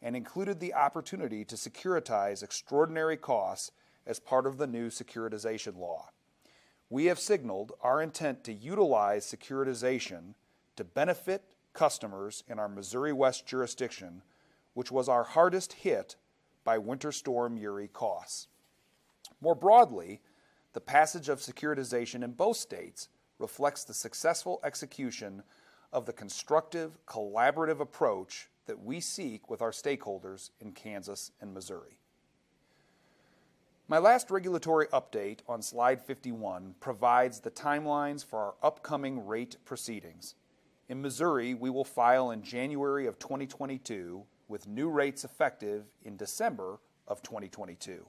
and included the opportunity to securitize extraordinary costs as part of the new securitization law. We have signaled our intent to utilize securitization to benefit customers in our Missouri West jurisdiction, which was our hardest hit by Winter Storm Uri costs. More broadly, the passage of securitization in both states reflects the successful execution of the constructive, collaborative approach that we seek with our stakeholders in Kansas and Missouri. My last regulatory update on slide 51 provides the timelines for our upcoming rate proceedings. In Missouri, we will file in January of 2022, with new rates effective in December of 2022.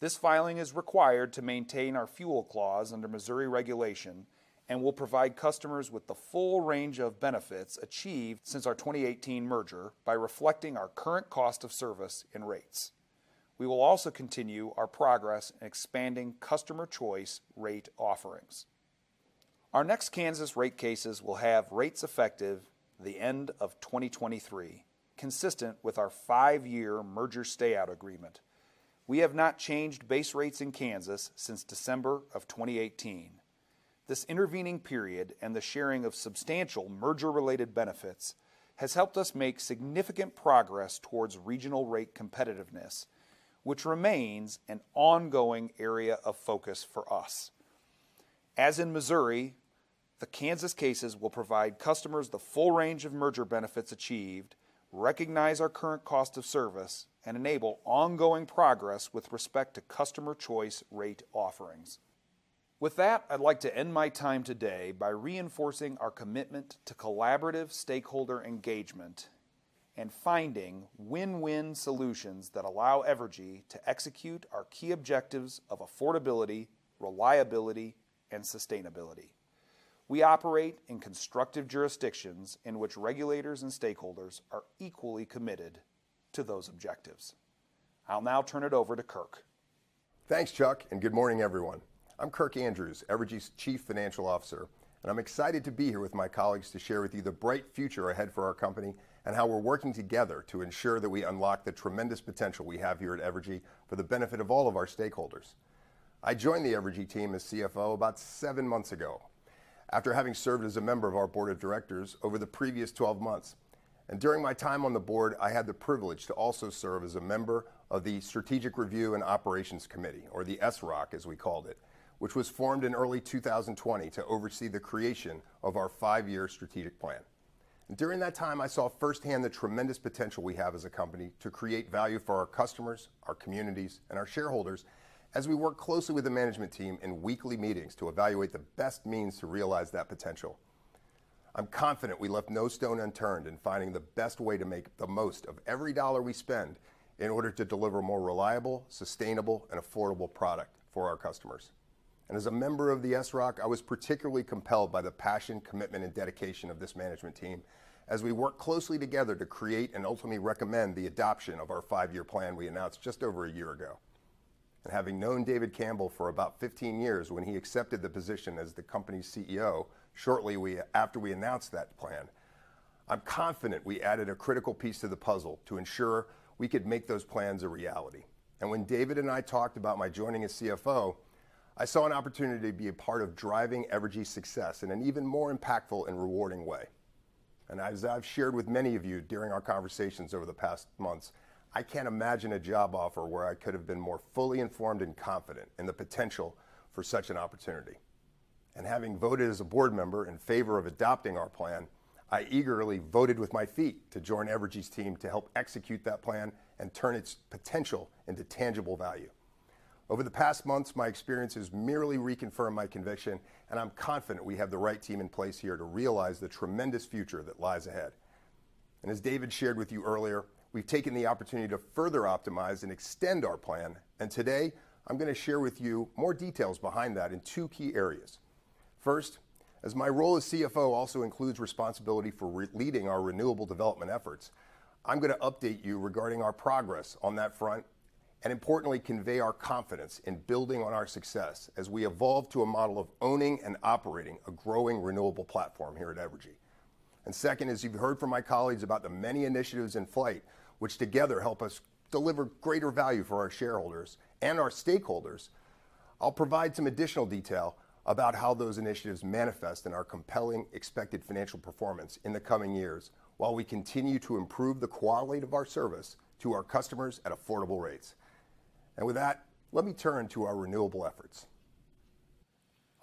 This filing is required to maintain our fuel clause under Missouri regulation and will provide customers with the full range of benefits achieved since our 2018 merger by reflecting our current cost of service in rates. We will also continue our progress in expanding customer choice rate offerings. Our next Kansas rate cases will have rates effective the end of 2023, consistent with our five-year merger stay-out agreement. We have not changed base rates in Kansas since December of 2018. This intervening period and the sharing of substantial merger-related benefits has helped us make significant progress towards regional rate competitiveness, which remains an ongoing area of focus for us. As in Missouri, the Kansas cases will provide customers the full range of merger benefits achieved, recognize our current cost of service, and enable ongoing progress with respect to customer choice rate offerings. With that, I'd like to end my time today by reinforcing our commitment to collaborative stakeholder engagement and finding win-win solutions that allow Evergy to execute our key objectives of affordability, reliability, and sustainability. We operate in constructive jurisdictions in which regulators and stakeholders are equally committed to those objectives. I'll now turn it over to Kirk. Thanks, Chuck. Good morning, everyone. I'm Kirk Andrews, Evergy's Chief Financial Officer, and I'm excited to be here with my colleagues to share with you the bright future ahead for our company and how we're working together to ensure that we unlock the tremendous potential we have here at Evergy for the benefit of all of our stakeholders. I joined the Evergy team as CFO about seven months ago after having served as a member of our board of directors over the previous 12 months. During my time on the board, I had the privilege to also serve as a member of the Strategic Review and Operations Committee, or the SROC, as we called it, which was formed in early 2020 to oversee the creation of our five-year strategic plan. During that time, I saw firsthand the tremendous potential we have as a company to create value for our customers, our communities, and our shareholders as we work closely with the management team in weekly meetings to evaluate the best means to realize that potential. I'm confident we left no stone unturned in finding the best way to make the most of every dollar we spend in order to deliver more reliable, sustainable, and affordable product for our customers. As a member of the SROC, I was particularly compelled by the passion, commitment, and dedication of this management team as we worked closely together to create and ultimately recommend the adoption of our five-year plan we announced just over a year ago. Having known David Campbell for about 15 years when he accepted the position as the company's CEO shortly after we announced that plan, I'm confident we added a critical piece to the puzzle to ensure we could make those plans a reality. When David and I talked about my joining as CFO, I saw an opportunity to be a part of driving Evergy's success in an even more impactful and rewarding way. As I've shared with many of you during our conversations over the past months, I can't imagine a job offer where I could've been more fully informed and confident in the potential for such an opportunity. Having voted as a board member in favor of adopting our plan, I eagerly voted with my feet to join Evergy's team to help execute that plan and turn its potential into tangible value. Over the past months, my experience has merely reconfirmed my conviction. I'm confident we have the right team in place here to realize the tremendous future that lies ahead. As David shared with you earlier, we've taken the opportunity to further optimize and extend our plan. Today, I'm going to share with you more details behind that in two key areas. First, as my role as CFO also includes responsibility for leading our renewable development efforts, I'm going to update you regarding our progress on that front. Importantly, convey our confidence in building on our success as we evolve to a model of owning and operating a growing renewable platform here at Evergy. Second, as you've heard from my colleagues about the many initiatives in flight which together help us deliver greater value for our shareholders and our stakeholders, I'll provide some additional detail about how those initiatives manifest in our compelling expected financial performance in the coming years while we continue to improve the quality of our service to our customers at affordable rates. With that, let me turn to our renewable efforts.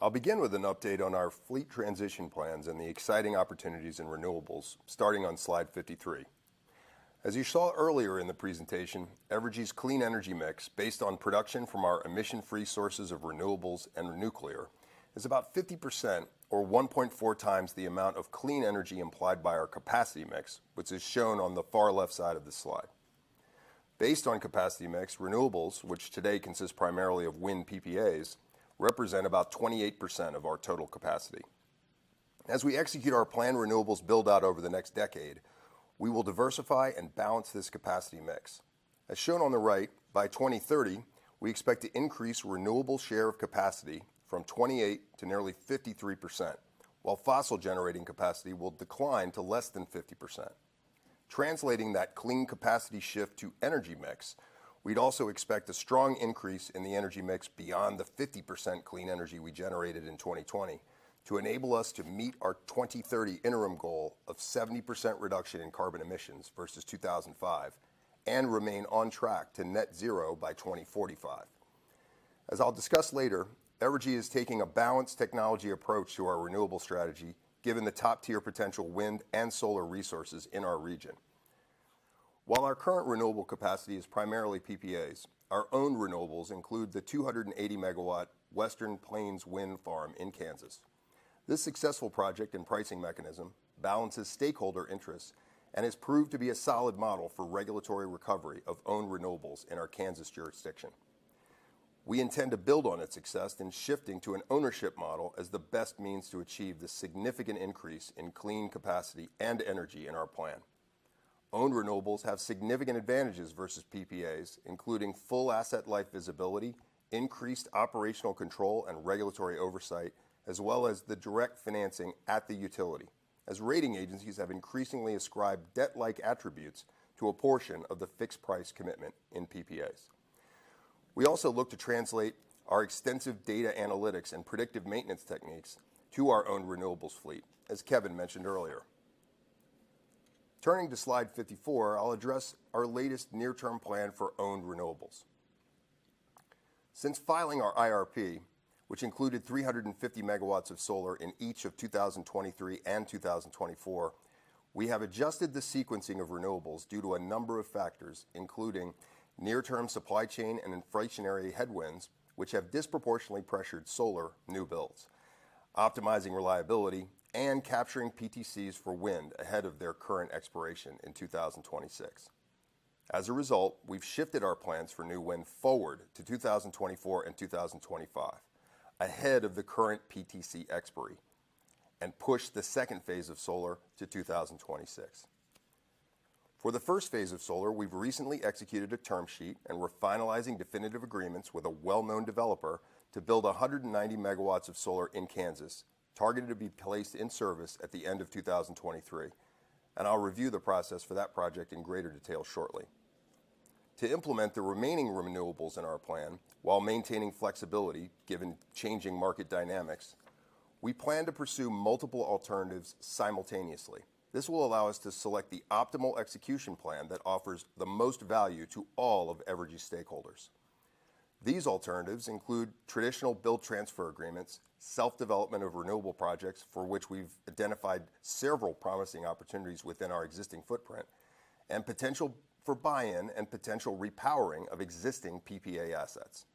I'll begin with an update on our fleet transition plans and the exciting opportunities in renewables, starting on slide 53. As you saw earlier in the presentation, Evergy's clean energy mix, based on production from our emission-free sources of renewables and nuclear, is about 50%, or 1.4x the amount of clean energy implied by our capacity mix, which is shown on the far left side of the slide. Based on capacity mix, renewables, which today consist primarily of wind PPAs, represent about 28% of our total capacity. As we execute our planned renewables build-out over the next decade, we will diversify and balance this capacity mix. As shown on the right, by 2030, we expect to increase renewable share of capacity from 28% to nearly 53%, while fossil generating capacity will decline to less than 50%. Translating that clean capacity shift to energy mix, we'd also expect a strong increase in the energy mix beyond the 50% clean energy we generated in 2020 to enable us to meet our 2030 interim goal of 70% reduction in carbon emissions versus 2005 and remain on track to net zero by 2045. As I'll discuss later, Evergy is taking a balanced technology approach to our renewable strategy, given the top-tier potential wind and solar resources in our region. While our current renewable capacity is primarily PPAs, our own renewables include the 280 MW Western Plains Wind Farm in Kansas. This successful project and pricing mechanism balances stakeholder interests and has proved to be a solid model for regulatory recovery of owned renewables in our Kansas jurisdiction. We intend to build on its success in shifting to an ownership model as the best means to achieve the significant increase in clean capacity and energy in our plan. Owned renewables have significant advantages versus PPAs, including full asset life visibility, increased operational control and regulatory oversight, as well as the direct financing at the utility, as rating agencies have increasingly ascribed debt-like attributes to a portion of the fixed-price commitment in PPAs. We also look to translate our extensive data analytics and predictive maintenance techniques to our own renewables fleet, as Kevin mentioned earlier. Turning to slide 54, I'll address our latest near-term plan for owned renewables. Since filing our IRP, which included 350 MW of solar in each of 2023 and 2024, we have adjusted the sequencing of renewables due to a number of factors, including near-term supply chain and inflationary headwinds, which have disproportionately pressured solar new builds, optimizing reliability, and capturing PTCs for wind ahead of their current expiration in 2026. A result, we've shifted our plans for new wind forward to 2024 and 2025, ahead of the current PTC expiry, and pushed the second phase of solar to 2026. For the first phase of solar, we've recently executed a term sheet, and we're finalizing definitive agreements with a well-known developer to build 190 MW of solar in Kansas, targeted to be placed in service at the end of 2023. I'll review the process for that project in greater detail shortly. To implement the remaining renewables in our plan while maintaining flexibility, given changing market dynamics, we plan to pursue multiple alternatives simultaneously. This will allow us to select the optimal execution plan that offers the most value to all of Evergy's stakeholders. These alternatives include traditional build transfer agreements, self-development of renewable projects for which we've identified several promising opportunities within our existing footprint, and potential for buy-in and potential repowering of existing PPA assets.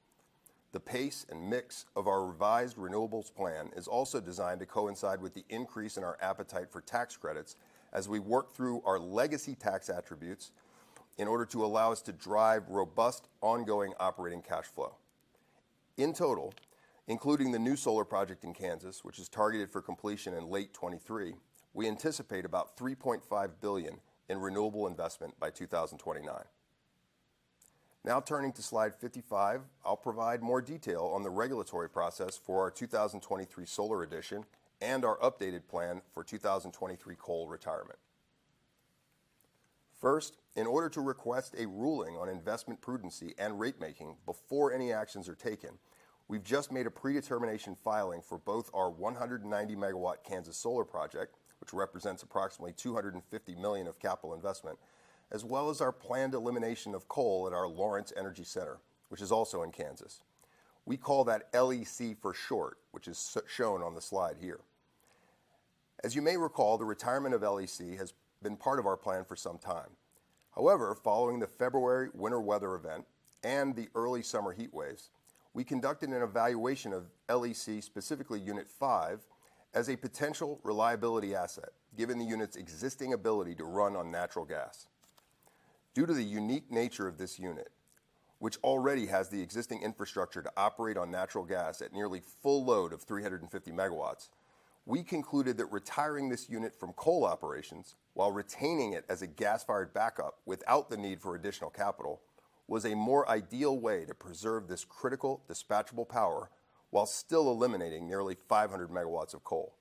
The pace and mix of our revised renewables plan is also designed to coincide with the increase in our appetite for tax credits as we work through our legacy tax attributes in order to allow us to drive robust, ongoing operating cash flow. In total, including the new solar project in Kansas, which is targeted for completion in late 2023, we anticipate about $3.5 billion in renewable investment by 2029. Now turning to slide 55, I'll provide more detail on the regulatory process for our 2023 solar addition and our updated plan for 2023 coal retirement. First, in order to request a ruling on investment prudency and rate-making before any actions are taken, we've just made a predetermination filing for both our 190-MW Kansas solar project, which represents approximately $250 million of capital investment, as well as our planned elimination of coal at our Lawrence Energy Center, which is also in Kansas. We call that LEC for short, which is shown on the slide here. As you may recall, the retirement of LEC has been part of our plan for some time. Following the February winter weather event and the early summer heat waves, we conducted an evaluation of LEC, specifically Unit 5, as a potential reliability asset, given the unit's existing ability to run on natural gas. Due to the unique nature of this unit, which already has the existing infrastructure to operate on natural gas at nearly full load of 350 MW, we concluded that retiring this unit from coal operations while retaining it as a gas-fired backup without the need for additional capital was a more ideal way to preserve this critical dispatchable power while still eliminating nearly 500 MW of coal.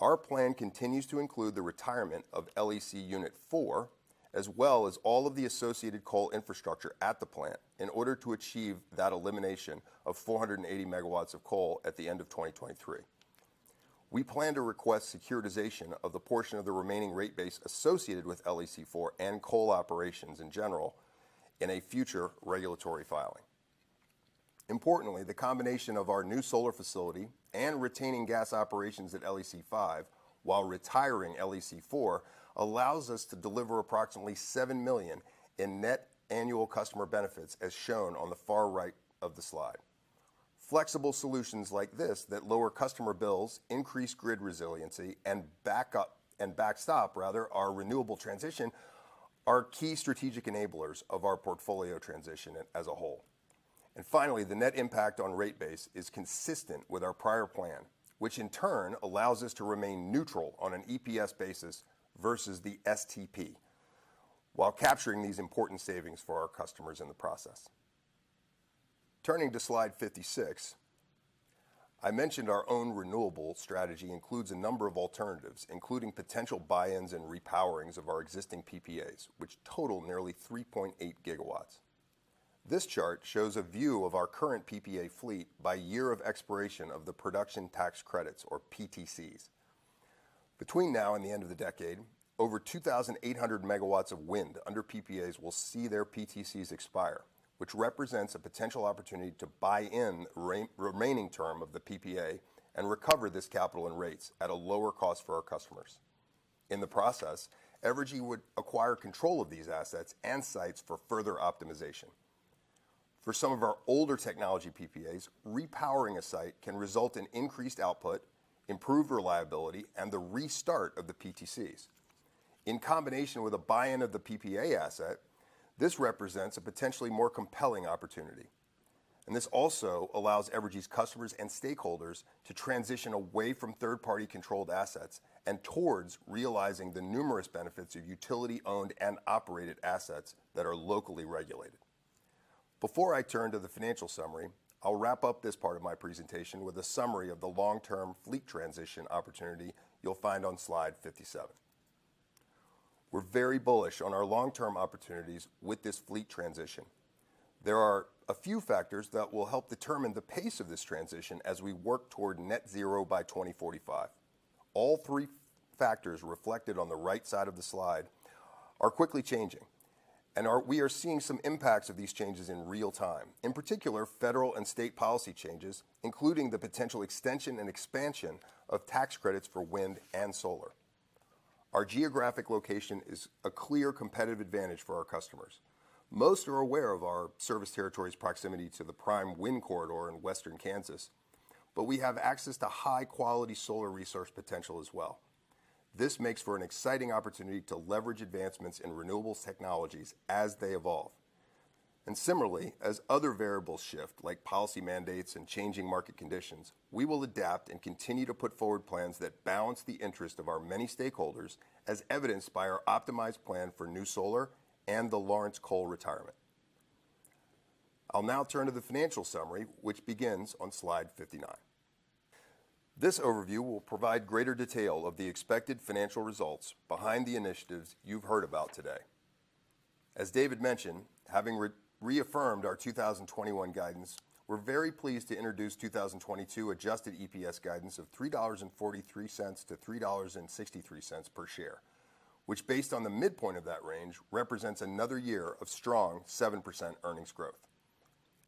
Our plan continues to include the retirement of LEC Unit 4, as well as all of the associated coal infrastructure at the plant in order to achieve that elimination of 480 MW of coal at the end of 2023. We plan to request securitization of the portion of the remaining rate base associated with LEC 4 and coal operations in general in a future regulatory filing. Importantly, the combination of our new solar facility and retaining gas operations at LEC 5 while retiring LEC 4 allows us to deliver approximately $7 million in net annual customer benefits, as shown on the far right of the slide. Flexible solutions like this that lower customer bills, increase grid resiliency, and backstop, rather, our renewable transition are key strategic enablers of our portfolio transition as a whole. Finally, the net impact on rate base is consistent with our prior plan, which in turn allows us to remain neutral on an EPS basis versus the STP while capturing these important savings for our customers in the process. Turning to slide 56, I mentioned our own renewable strategy includes a number of alternatives, including potential buy-ins and repowerings of our existing PPAs, which total nearly 3.8 GW. This chart shows a view of our current PPA fleet by year of expiration of the Production Tax Credits, or PTCs. Between now and the end of the decade, over 2,800 MW of wind under PPAs will see their PTCs expire, which represents a potential opportunity to buy in remaining term of the PPA and recover this capital and rates at a lower cost for our customers. In the process, Evergy would acquire control of these assets and sites for further optimization. For some of our older technology PPAs, repowering a site can result in increased output, improved reliability, and the restart of the PTCs. In combination with a buy-in of the PPA asset, this represents a potentially more compelling opportunity, and this also allows Evergy's customers and stakeholders to transition away from third-party controlled assets and towards realizing the numerous benefits of utility-owned and operated assets that are locally regulated. Before I turn to the financial summary, I'll wrap up this part of my presentation with a summary of the long-term fleet transition opportunity you'll find on slide 57. We're very bullish on our long-term opportunities with this fleet transition. There are a few factors that will help determine the pace of this transition as we work toward net zero by 2045. All three factors reflected on the right side of the slide are quickly changing, and we are seeing some impacts of these changes in real time, in particular, federal and state policy changes, including the potential extension and expansion of tax credits for wind and solar. Our geographic location is a clear competitive advantage for our customers. Most are aware of our service territory's proximity to the prime wind corridor in western Kansas, but we have access to high-quality solar resource potential as well. This makes for an exciting opportunity to leverage advancements in renewables technologies as they evolve. Similarly, as other variables shift, like policy mandates and changing market conditions, we will adapt and continue to put forward plans that balance the interest of our many stakeholders, as evidenced by our optimized plan for new solar and the Lawrence coal retirement. I'll now turn to the financial summary, which begins on slide 59. This overview will provide greater detail of the expected financial results behind the initiatives you've heard about today. As David mentioned, having reaffirmed our 2021 guidance, we're very pleased to introduce 2022 adjusted EPS guidance of $3.43-$3.63 per share, which, based on the midpoint of that range, represents another year of strong 7% earnings growth.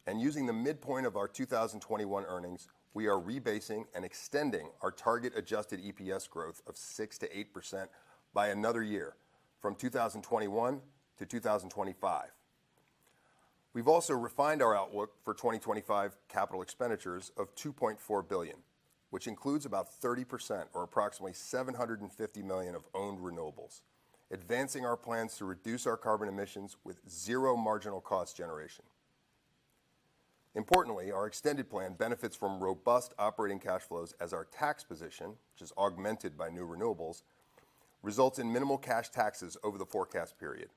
Using the midpoint of our 2021 earnings, we are rebasing and extending our target adjusted EPS growth of 6%-8% by another year from 2021 to 2025. We've also refined our outlook for 2025 capital expenditures of $2.4 billion, which includes about 30%, or approximately $750 million of owned renewables, advancing our plans to reduce our carbon emissions with zero marginal cost generation. Importantly, our extended plan benefits from robust operating cash flows as our tax position, which is augmented by new renewables, results in minimal cash taxes over the forecast period,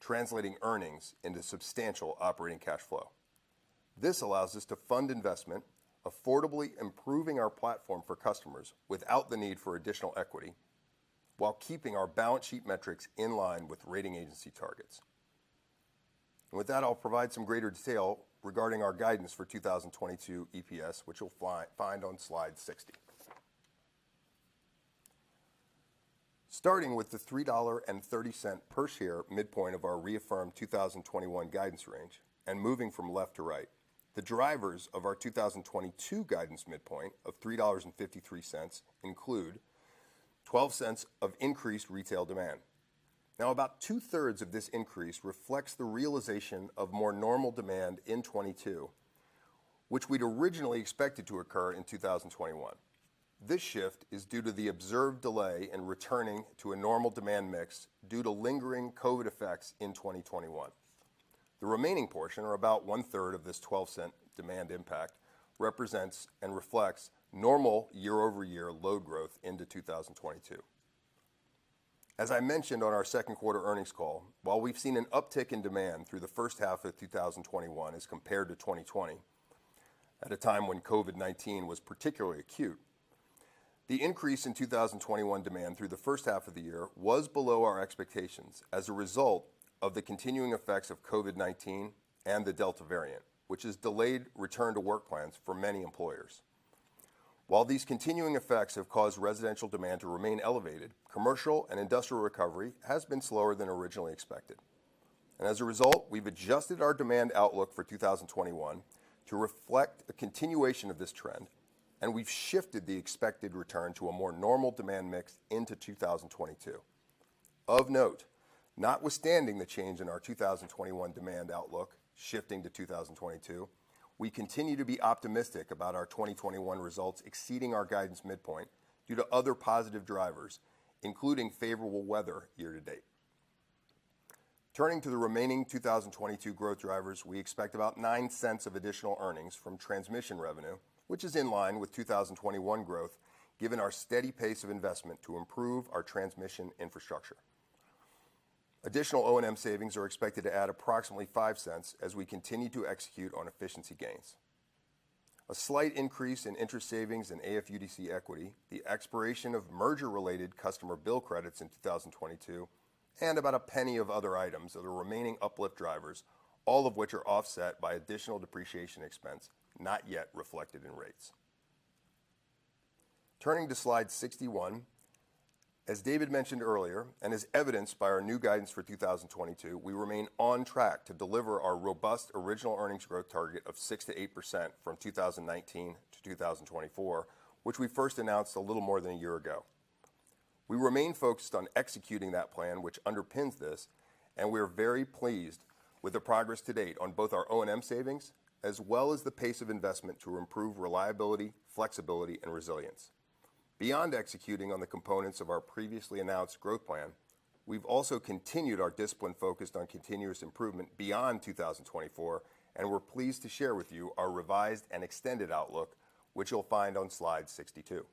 translating earnings into substantial operating cash flow. This allows us to fund investment, affordably improving our platform for customers without the need for additional equity, while keeping our balance sheet metrics in line with rating agency targets. With that, I'll provide some greater detail regarding our guidance for 2022 EPS, which you'll find on slide 60. Starting with the $3.30 per share midpoint of our reaffirmed 2021 guidance range and moving from left to right, the drivers of our 2022 guidance midpoint of $3.53 include $0.12 of increased retail demand. Now, about two-thirds of this increase reflects the realization of more normal demand in 2022, which we'd originally expected to occur in 2021. This shift is due to the observed delay in returning to a normal demand mix due to lingering COVID-19 effects in 2021. The remaining portion, or about one-third of this $0.12 demand impact, represents and reflects normal year-over-year load growth into 2022. As I mentioned on our second quarter earnings call, while we've seen an uptick in demand through the first half of 2021 as compared to 2020, at a time when COVID-19 was particularly acute, the increase in 2021 demand through the first half of the year was below our expectations as a result of the continuing effects of COVID-19 and the Delta variant, which has delayed return-to-work plans for many employers. While these continuing effects have caused residential demand to remain elevated, commercial and industrial recovery has been slower than originally expected. As a result, we've adjusted our demand outlook for 2021 to reflect the continuation of this trend, and we've shifted the expected return to a more normal demand mix into 2022. Of note, notwithstanding the change in our 2021 demand outlook shifting to 2022, we continue to be optimistic about our 2021 results exceeding our guidance midpoint due to other positive drivers, including favorable weather year to date. Turning to the remaining 2022 growth drivers, we expect about $0.09 of additional earnings from transmission revenue, which is in line with 2021 growth, given our steady pace of investment to improve our transmission infrastructure. Additional O&M savings are expected to add approximately $0.05 as we continue to execute on efficiency gains. A slight increase in interest savings and AFUDC equity, the expiration of merger-related customer bill credits in 2022, and about $0.01 of other items are the remaining uplift drivers, all of which are offset by additional depreciation expense not yet reflected in rates. Turning to slide 61, as David mentioned earlier, and as evidenced by our new guidance for 2022, we remain on track to deliver our robust original earnings growth target of 6%-8% from 2019-2024, which we first announced a little more than a year ago. We remain focused on executing that plan which underpins this, and we are very pleased with the progress to date on both our O&M savings as well as the pace of investment to improve reliability, flexibility, and resilience. Beyond executing on the components of our previously announced growth plan, we've also continued our discipline focused on continuous improvement beyond 2024. We're pleased to share with you our revised and extended outlook, which you'll find on slide 62.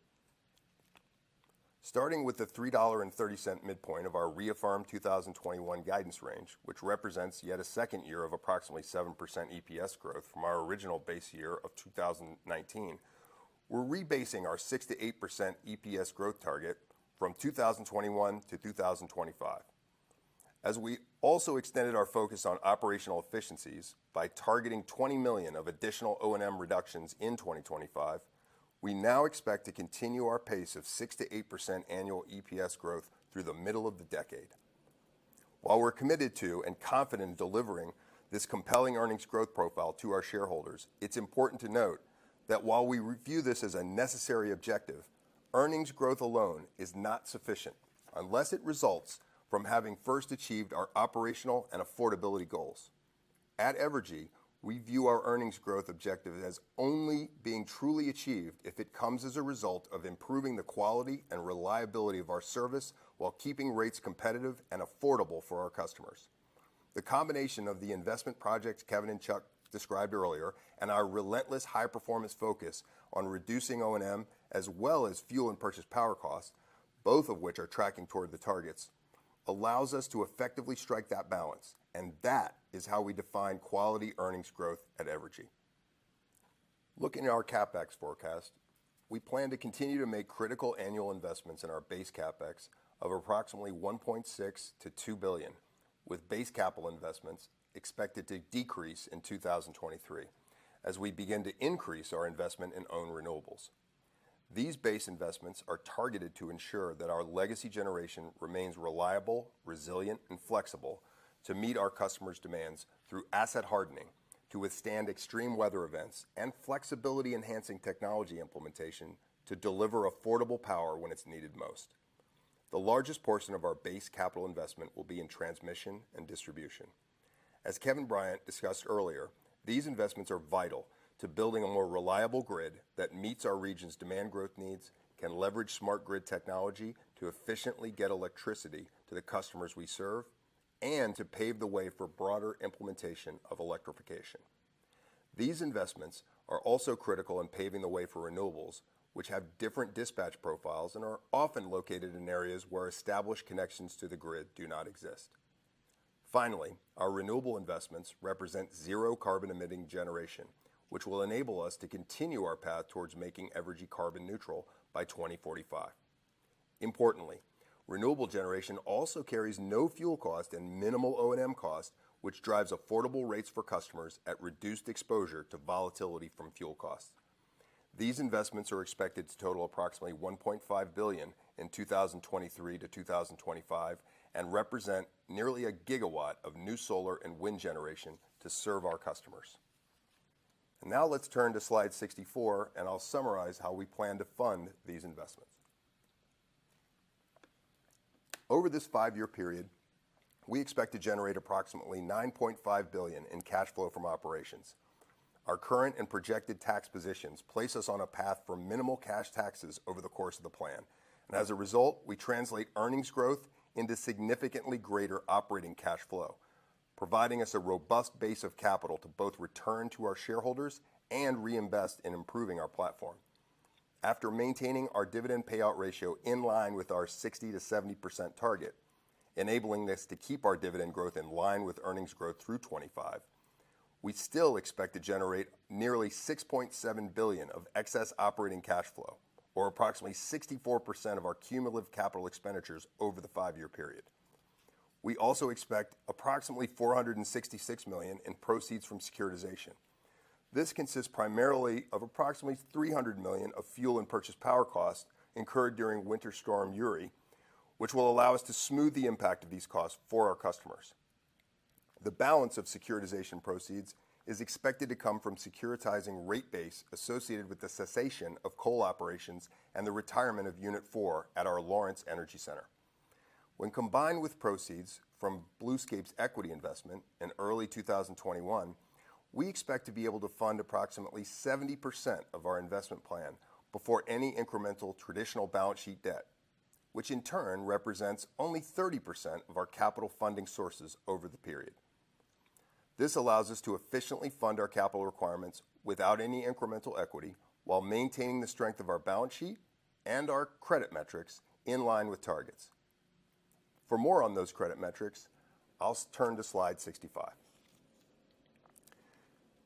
Starting with the $3.30 midpoint of our reaffirmed 2021 guidance range, which represents yet a second year of approximately 7% EPS growth from our original base year of 2019, we're rebasing our 6%-8% EPS growth target from 2021-2025. We also extended our focus on operational efficiencies by targeting $20 million of additional O&M reductions in 2025. We now expect to continue our pace of 6%-8% annual EPS growth through the middle of the decade. While we're committed to and confident in delivering this compelling earnings growth profile to our shareholders, it's important to note that while we view this as a necessary objective, earnings growth alone is not sufficient unless it results from having first achieved our operational and affordability goals. At Evergy, we view our earnings growth objective as only being truly achieved if it comes as a result of improving the quality and reliability of our service while keeping rates competitive and affordable for our customers. The combination of the investment projects Kevin and Chuck described earlier and our relentless high-performance focus on reducing O&M as well as fuel and purchase power costs, both of which are tracking toward the targets, allows us to effectively strike that balance, and that is how we define quality earnings growth at Evergy. Looking at our CapEx forecast, we plan to continue to make critical annual investments in our base CapEx of approximately $1.6 billion-$2 billion, with base capital investments expected to decrease in 2023 as we begin to increase our investment in owned renewables. These base investments are targeted to ensure that our legacy generation remains reliable, resilient, and flexible to meet our customers' demands through asset hardening to withstand extreme weather events and flexibility-enhancing technology implementation to deliver affordable power when it's needed most. The largest portion of our base capital investment will be in transmission and distribution. As Kevin Bryant discussed earlier, these investments are vital to building a more reliable grid that meets our region's demand growth needs, can leverage smart grid technology to efficiently get electricity to the customers we serve, and to pave the way for broader implementation of electrification. These investments are also critical in paving the way for renewables, which have different dispatch profiles and are often located in areas where established connections to the grid do not exist. Finally, our renewable investments represent zero carbon-emitting generation, which will enable us to continue our path towards making Evergy carbon neutral by 2045. Importantly, renewable generation also carries no fuel cost and minimal O&M cost, which drives affordable rates for customers at reduced exposure to volatility from fuel costs. These investments are expected to total approximately $1.5 billion in 2023-2025 and represent nearly a gigawatt of new solar and wind generation to serve our customers. Now let's turn to slide 64, and I'll summarize how we plan to fund these investments. Over this five-year period, we expect to generate approximately $9.5 billion in cash flow from operations. Our current and projected tax positions place us on a path for minimal cash taxes over the course of the plan. As a result, we translate earnings growth into significantly greater operating cash flow, providing us a robust base of capital to both return to our shareholders and reinvest in improving our platform. After maintaining our dividend payout ratio in line with our 60%-70% target, enabling this to keep our dividend growth in line with earnings growth through 2025, we still expect to generate nearly $6.7 billion of excess operating cash flow or approximately 64% of our cumulative capital expenditures over the five-year period. We also expect approximately $466 million in proceeds from securitization. This consists primarily of approximately $300 million of fuel and purchase power costs incurred during Winter Storm Uri, which will allow us to smooth the impact of these costs for our customers. The balance of securitization proceeds is expected to come from securitizing rate base associated with the cessation of coal operations and the retirement of Unit 4 at our Lawrence Energy Center. When combined with proceeds from Bluescape's equity investment in early 2021, we expect to be able to fund approximately 70% of our investment plan before any incremental traditional balance sheet debt, which in turn represents only 30% of our capital funding sources over the period. This allows us to efficiently fund our capital requirements without any incremental equity while maintaining the strength of our balance sheet and our credit metrics in line with targets. For more on those credit metrics, I'll turn to slide 65.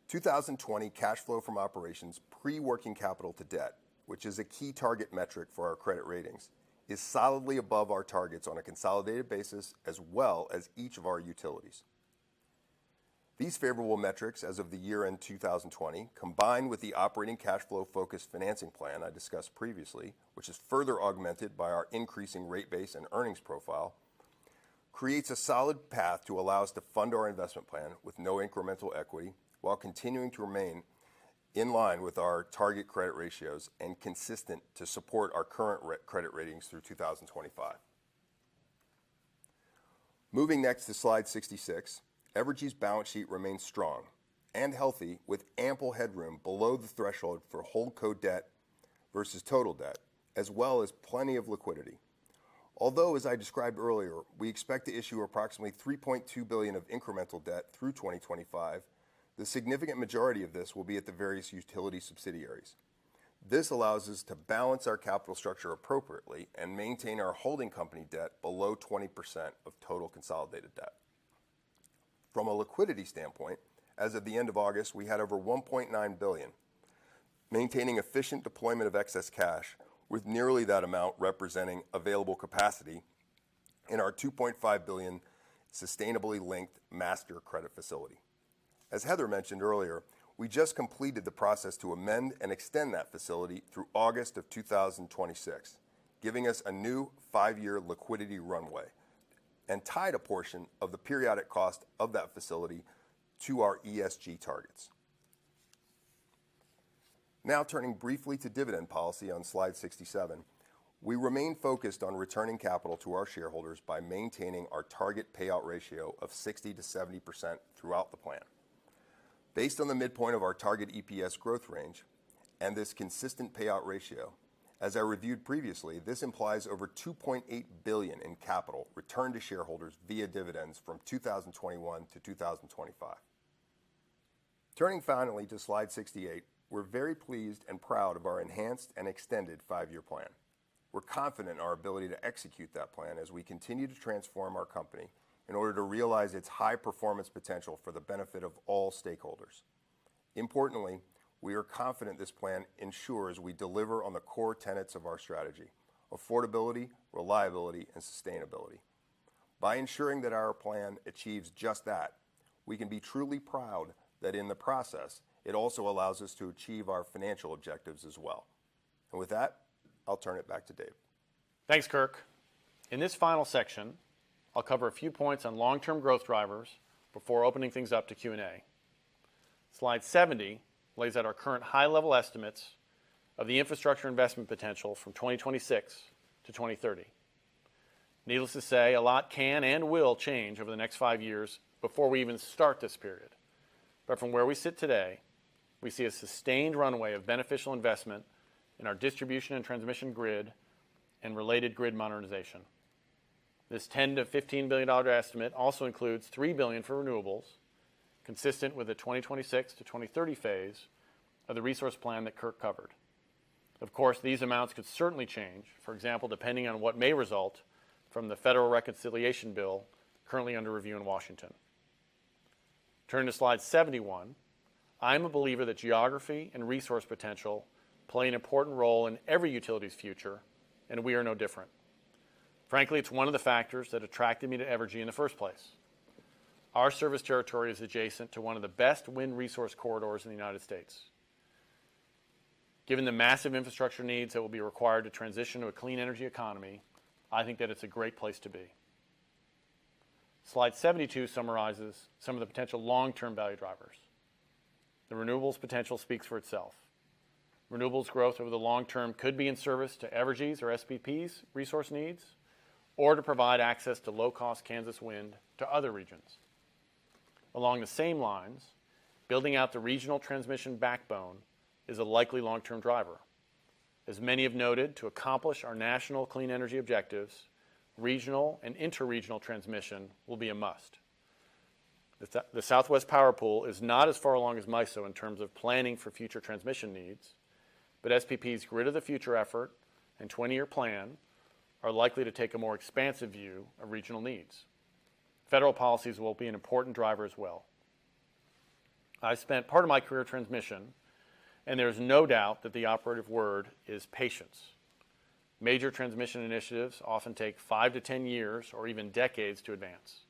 2020 cash flow from operations pre-working capital to debt, which is a key target metric for our credit ratings, is solidly above our targets on a consolidated basis, as well as each of our utilities. These favorable metrics as of the year-end 2020, combined with the operating cash flow focused financing plan I discussed previously, which is further augmented by our increasing rate base and earnings profile, creates a solid path to allow us to fund our investment plan with no incremental equity while continuing to remain in line with our target credit ratios and consistent to support our current credit ratings through 2025. Moving next to slide 66, Evergy's balance sheet remains strong and healthy, with ample headroom below the threshold for holdco debt versus total debt, as well as plenty of liquidity. Although, as I described earlier, we expect to issue approximately $3.2 billion of incremental debt through 2025, the significant majority of this will be at the various utility subsidiaries. This allows us to balance our capital structure appropriately and maintain our holding company debt below 20% of total consolidated debt. From a liquidity standpoint, as of the end of August, we had over $1.9 billion, maintaining efficient deployment of excess cash, with nearly that amount representing available capacity in our $2.5 billion Sustainability-Linked Master Credit Facility. As Heather mentioned earlier, we just completed the process to amend and extend that facility through August of 2026, giving us a new five-year liquidity runway, and tied a portion of the periodic cost of that facility to our ESG targets. Turning briefly to dividend policy on Slide 67, we remain focused on returning capital to our shareholders by maintaining our target payout ratio of 60%-70% throughout the plan. Based on the midpoint of our target EPS growth range and this consistent payout ratio, as I reviewed previously, this implies over $2.8 billion in capital returned to shareholders via dividends from 2021 to 2025. Turning finally to Slide 68, we're very pleased and proud of our enhanced and extended five-year plan. We're confident in our ability to execute that plan as we continue to transform our company in order to realize its high-performance potential for the benefit of all stakeholders. Importantly, we are confident this plan ensures we deliver on the core tenets of our strategy: affordability, reliability, and sustainability. By ensuring that our plan achieves just that, we can be truly proud that in the process, it also allows us to achieve our financial objectives as well. With that, I'll turn it back to Dave. Thanks, Kirk. In this final section, I'll cover a few points on long-term growth drivers before opening things up to Q&A. Slide 70 lays out our current high-level estimates of the infrastructure investment potential from 2026 to 2030. Needless to say, a lot can and will change over the next five years before we even start this period. From where we sit today, we see a sustained runway of beneficial investment in our distribution and transmission grid and related grid modernization. This $10 billion-$15 billion estimate also includes $3 billion for renewables, consistent with the 2026 to 2030 phase of the resource plan that Kirk covered. Of course, these amounts could certainly change, for example, depending on what may result from the federal reconciliation bill currently under review in Washington. Turn to slide 71. I'm a believer that geography and resource potential play an important role in every utility's future, and we are no different. Frankly, it's one of the factors that attracted me to Evergy in the first place. Our service territory is adjacent to one of the best wind resource corridors in the U.S. Given the massive infrastructure needs that will be required to transition to a clean energy economy, I think that it's a great place to be. Slide 72 summarizes some of the potential long-term value drivers. The renewables potential speaks for itself. Renewables growth over the long term could be in service to Evergy's or SPP's resource needs or to provide access to low-cost Kansas wind to other regions. Along the same lines, building out the regional transmission backbone is a likely long-term driver. As many have noted, to accomplish our national clean energy objectives, regional and interregional transmission will be a must. The Southwest Power Pool is not as far along as MISO in terms of planning for future transmission needs, but SPP's Grid of the Future effort and 20-year plan are likely to take a more expansive view of regional needs. Federal policies will be an important driver as well. I spent part of my career in transmission, and there's no doubt that the operative word is patience. Major transmission initiatives often take 5 to 10 years or even decades to advance.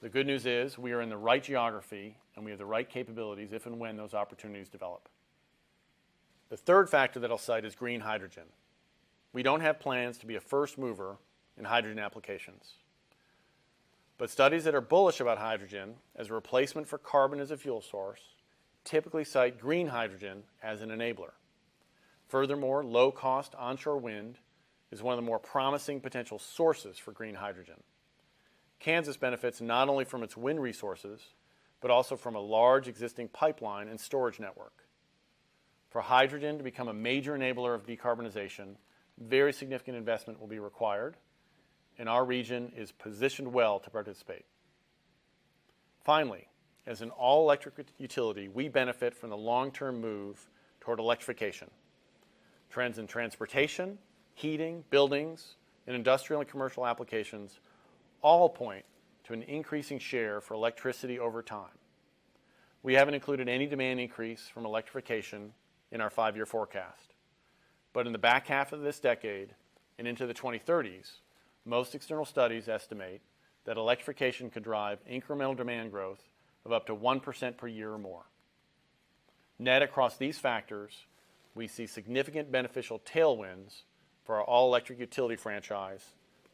The good news is we are in the right geography and we have the right capabilities if and when those opportunities develop. The third factor that I'll cite is green hydrogen. We don't have plans to be a first mover in hydrogen applications. Studies that are bullish about hydrogen as a replacement for carbon as a fuel source typically cite green hydrogen as an enabler. Furthermore, low-cost onshore wind is one of the more promising potential sources for green hydrogen. Kansas benefits not only from its wind resources, but also from a large existing pipeline and storage network. For hydrogen to become a major enabler of decarbonization, very significant investment will be required, and our region is positioned well to participate. Finally, as an all-electric utility, we benefit from the long-term move toward electrification. Trends in transportation, heating, buildings, and industrial and commercial applications all point to an increasing share for electricity over time. We haven't included any demand increase from electrification in our five-year forecast. In the back half of this decade and into the 2030s, most external studies estimate that electrification could drive incremental demand growth of up to 1% per year or more. Net across these factors, we see significant beneficial tailwinds for our all-electric utility franchise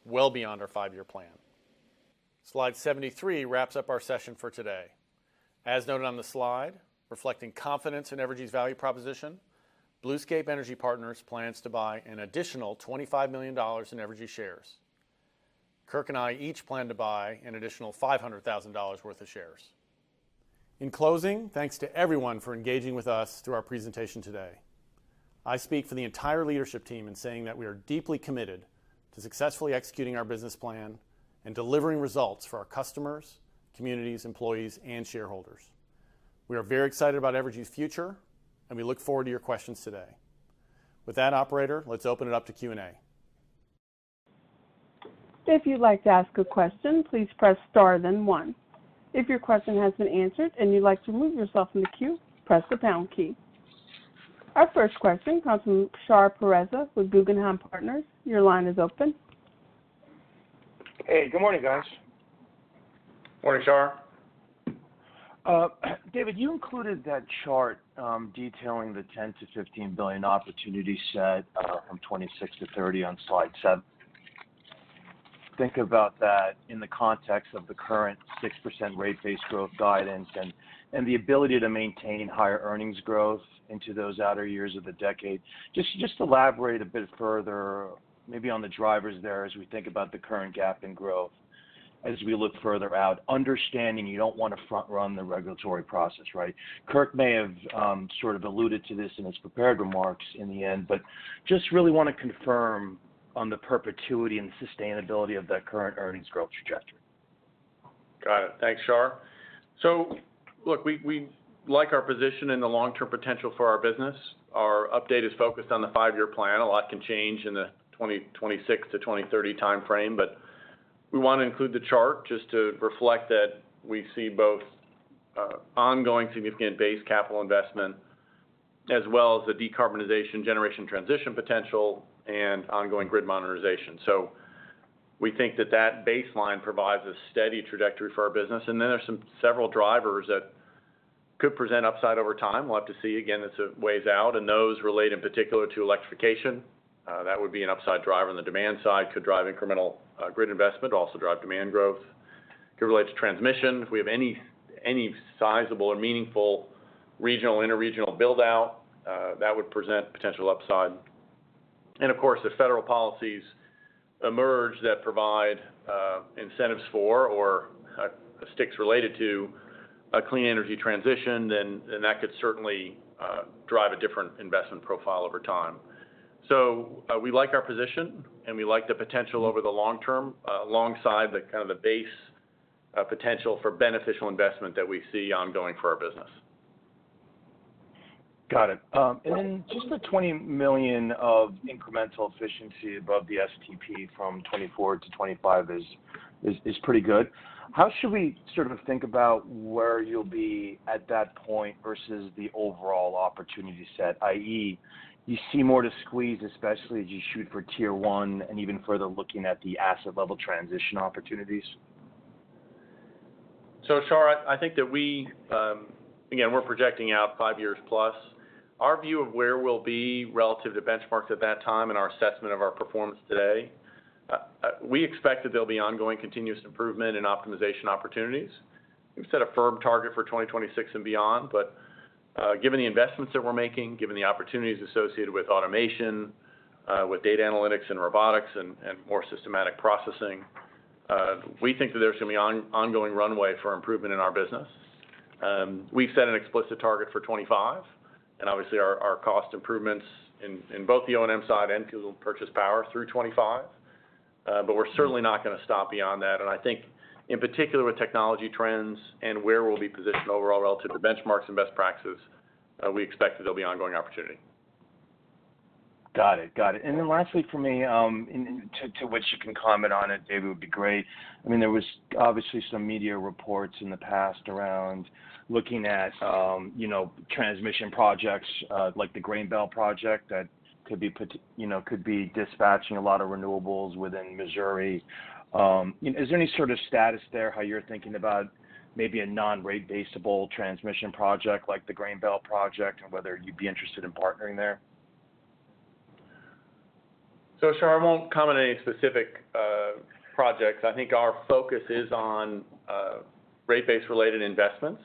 well beyond our five-year plan. Slide 73 wraps up our session for today. As noted on the slide, reflecting confidence in Evergy's value proposition, Bluescape Energy Partners plans to buy an additional $25 million in Evergy shares. Kirk and I each plan to buy an additional $500,000 worth of shares. In closing, thanks to everyone for engaging with us through our presentation today. I speak for the entire leadership team in saying that we are deeply committed to successfully executing our business plan and delivering results for our customers, communities, employees, and shareholders. We are very excited about Evergy's future, and we look forward to your questions today. With that, operator, let's open it up to Q&A. Our first question comes from Shar Pourreza with Guggenheim Partners. Your line is open. Hey, good morning, guys. Morning, Shar. David, you included that chart detailing the $10 billion-$15 billion opportunity set from 2026 to 2030 on slide seven. Think about that in the context of the current 6% rate base growth guidance and the ability to maintain higher earnings growth into those outer years of the decade. Just elaborate a bit further maybe on the drivers there as we think about the current gap in growth, as we look further out, understanding you don't want to front-run the regulatory process, right? Kirk may have sort of alluded to this in his prepared remarks in the end, but just really want to confirm on the perpetuity and sustainability of that current earnings growth trajectory. Got it. Thanks, Shahr. Look, we like our position and the long-term potential for our business. Our update is focused on the five-year plan. A lot can change in the 2026-2030 timeframe, but we want to include the chart just to reflect that we see both ongoing significant base capital investment as well as the decarbonization generation transition potential and ongoing grid modernization. We think that that baseline provides a steady trajectory for our business. Then there are several drivers that could present upside over time. We'll have to see. Again, it's a ways out. Those relate in particular to electrification. That would be an upside driver on the demand side, could drive incremental grid investment, also drive demand growth. Could relate to transmission. If we have any sizable or meaningful regional, interregional build-out, that would present potential upside. Of course, if federal policies emerge that provide incentives for or sticks related to a clean energy transition, that could certainly drive a different investment profile over time. We like our position, and we like the potential over the long term, alongside the kind of the base potential for beneficial investment that we see ongoing for our business. Got it. Then just the $20 million of incremental efficiency above the STP from 2024-2025 is pretty good. How should we sort of think about where you'll be at that point versus the overall opportunity set, i.e., you see more to squeeze, especially as you shoot for Tier 1 and even further looking at the asset-level transition opportunities? Shar, I think that again, we're projecting out five years plus. Our view of where we'll be relative to benchmarks at that time and our assessment of our performance today, we expect that there'll be ongoing continuous improvement and optimization opportunities. We've set a firm target for 2026 and beyond, given the investments that we're making, given the opportunities associated with automation, with data analytics and robotics and more systematic processing, we think that there's going to be ongoing runway for improvement in our business. We've set an explicit target for 2025, and obviously our cost improvements in both the O&M side and purchase power through 2025. We're certainly not going to stop beyond that. I think in particular with technology trends and where we'll be positioned overall relative to benchmarks and best practices, we expect that there'll be ongoing opportunity. Got it. Lastly from me, to which you can comment on it, David, would be great. There was obviously some media reports in the past around looking at transmission projects, like the Grain Belt Project that could be dispatching a lot of renewables within Missouri. Is there any sort of status there, how you're thinking about maybe a non-rate basable transmission project like the Grain Belt Project and whether you'd be interested in partnering there? Shar, I won't comment on any specific projects. I think our focus is on rate base-related investments.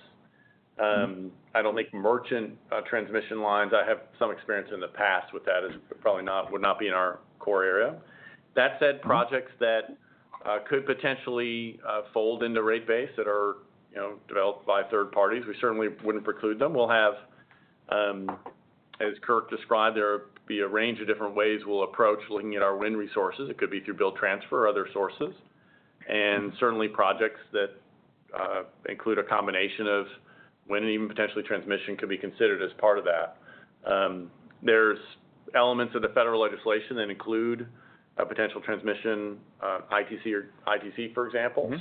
I don't make merchant transmission lines. I have some experience in the past with that. It probably would not be in our core area. That said, projects that could potentially fold into rate base that are developed by third parties. We certainly wouldn't preclude them. We'll have, as Kirk described, there'll be a range of different ways we'll approach looking at our wind resources. It could be through build transfer or other sources, and certainly projects that include a combination of wind and even potentially transmission could be considered as part of that. There's elements of the federal legislation that include a potential transmission, ITC, for example.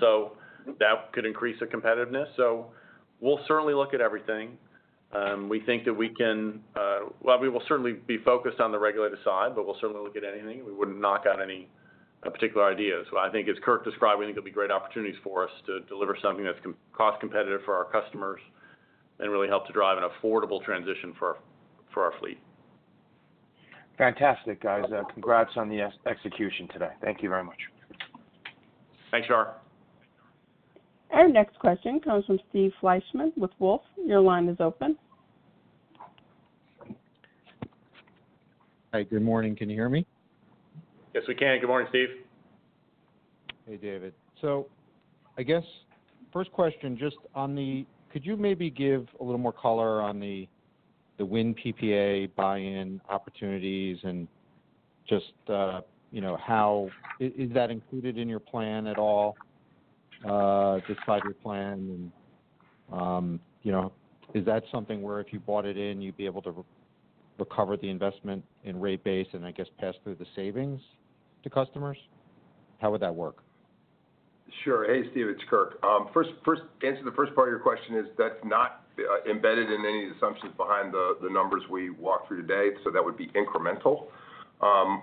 That could increase the competitiveness. We'll certainly look at everything. We will certainly be focused on the regulated side, but we'll certainly look at anything. We wouldn't knock out any particular ideas. I think as Kirk described, we think there'll be great opportunities for us to deliver something that's cost competitive for our customers and really help to drive an affordable transition for our fleet. Fantastic, guys. Congrats on the execution today. Thank you very much. Thanks, Shar. Our next question comes from Steve Fleishman with Wolfe. Your line is open. Hi, good morning. Can you hear me? Yes, we can. Good morning, Steve. Hey, David. I guess first question, could you maybe give a little more color on the wind PPA buy-in opportunities, and just is that included in your plan at all? Just five-year plan? Is that something where if you bought it in, you'd be able to recover the investment in rate base and I guess pass through the savings to customers? How would that work? Sure. Hey, Steve, it's Kirk. Answer to the first part of your question is that's not embedded in any of the assumptions behind the numbers we walked through today. That would be incremental.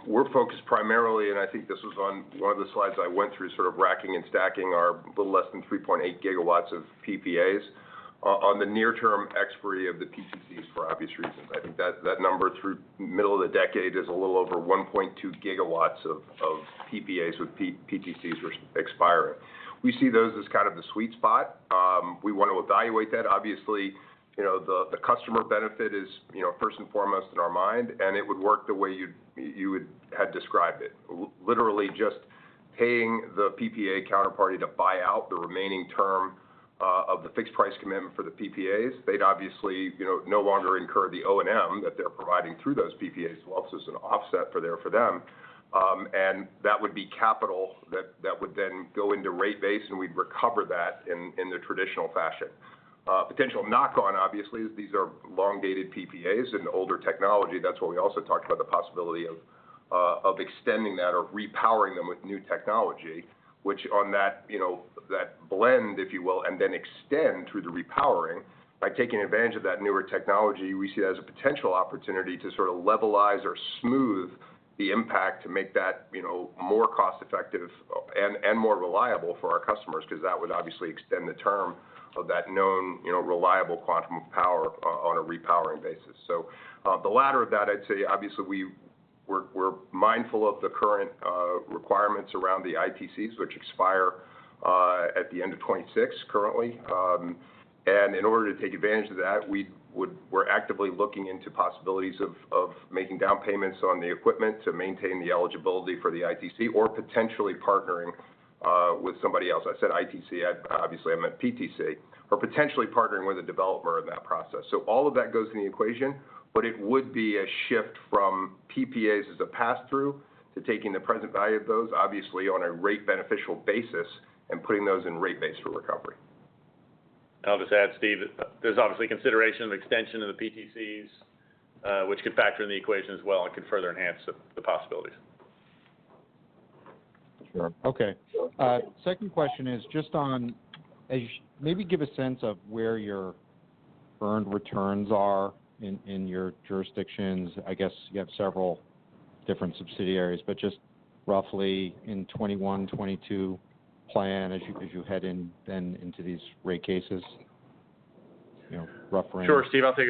We're focused primarily, and I think this was on one of the slides I went through, sort of racking and stacking our little less than 3.8 GW of PPAs on the near term expiry of the PTCs for obvious reasons. I think that number through middle of the decade is a little over 1.2 GW of PPAs with PTCs expiring. We see those as kind of the sweet spot. We want to evaluate that. Obviously, the customer benefit is first and foremost in our mind, and it would work the way you had described it. Literally just paying the PPA counterparty to buy out the remaining term of the fixed price commitment for the PPAs. They'd obviously no longer incur the O&M that they're providing through those PPAs, so that's an offset for them. That would be capital that would then go into rate base, and we'd recover that in the traditional fashion. A potential knock-on, obviously, is these are long-dated PPAs and older technology. That's why we also talked about the possibility of extending that or repowering them with new technology, which on that blend, if you will, and then extend through the repowering by taking advantage of that newer technology, we see it as a potential opportunity to sort of levelize or smooth the impact to make that more cost effective and more reliable for our customers, because that would obviously extend the term of that known, reliable quantum of power on a repowering basis. The latter of that, I'd say obviously we're mindful of the current requirements around the ITCs, which expire at the end of 2026 currently. In order to take advantage of that, we're actively looking into possibilities of making down payments on the equipment to maintain the eligibility for the ITC or potentially partnering with somebody else. I said ITC, obviously I meant PTC, or potentially partnering with a developer in that process. All of that goes into the equation, but it would be a shift from PPAs as a pass-through to taking the present value of those, obviously on a rate beneficial basis, and putting those in rate base for recovery. I'll just add, Steve, there's obviously consideration of extension of the PTCs, which could factor in the equation as well and could further enhance the possibilities. Sure. Okay. Second question is just on maybe give a sense of where your earned returns are in your jurisdictions. I guess you have several different subsidiaries, but just roughly in 2021, 2022 plan as you head in then into these rate cases, rough range. Sure, Steve. Then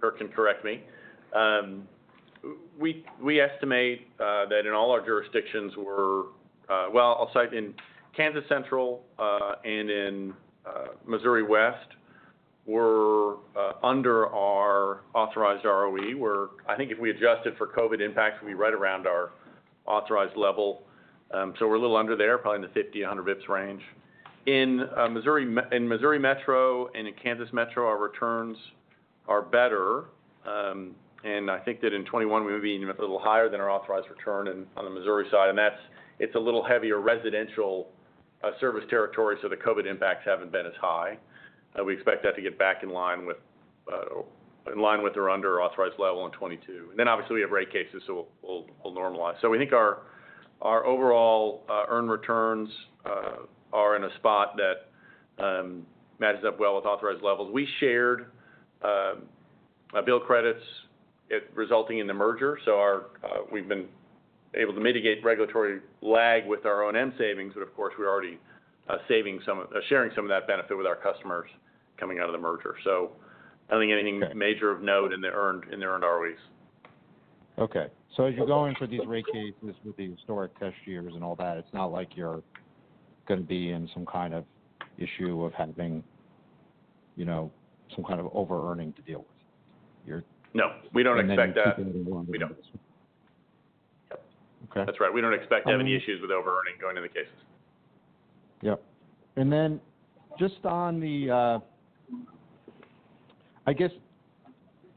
Kirk can correct me. We estimate that in all our jurisdictions I'll cite in Kansas Central, and in Missouri West, we're under our authorized ROE. I think if we adjusted for COVID impacts, it'll be right around our authorized level. We're a little under there, probably in the 50 basis points to 100 basis points range. In Missouri Metro and in Kansas Metro, our returns are better. I think that in 2021, we would be a little higher than our authorized return on the Missouri side, and it's a little heavier residential service territory, so the COVID impacts haven't been as high. We expect that to get back in line with or under our authorized level in 2022. Obviously we have rate cases, so we'll normalize. We think our overall earned returns are in a spot that matches up well with authorized levels. We shared bill credits resulting in the merger. We've been able to mitigate regulatory lag with our O&M savings, but of course, we're already sharing some of that benefit with our customers coming out of the merger. I don't think anything major of note in the earned ROEs. Okay. As you go in for these rate cases with the historic test years and all that, it's not like you're going to be in some kind of issue of having some kind of over-earning to deal with. No, we don't expect that. keeping everyone. We don't. Yep. Okay. That's right. We don't expect to have any issues with over-earning going into cases. Yep. I guess,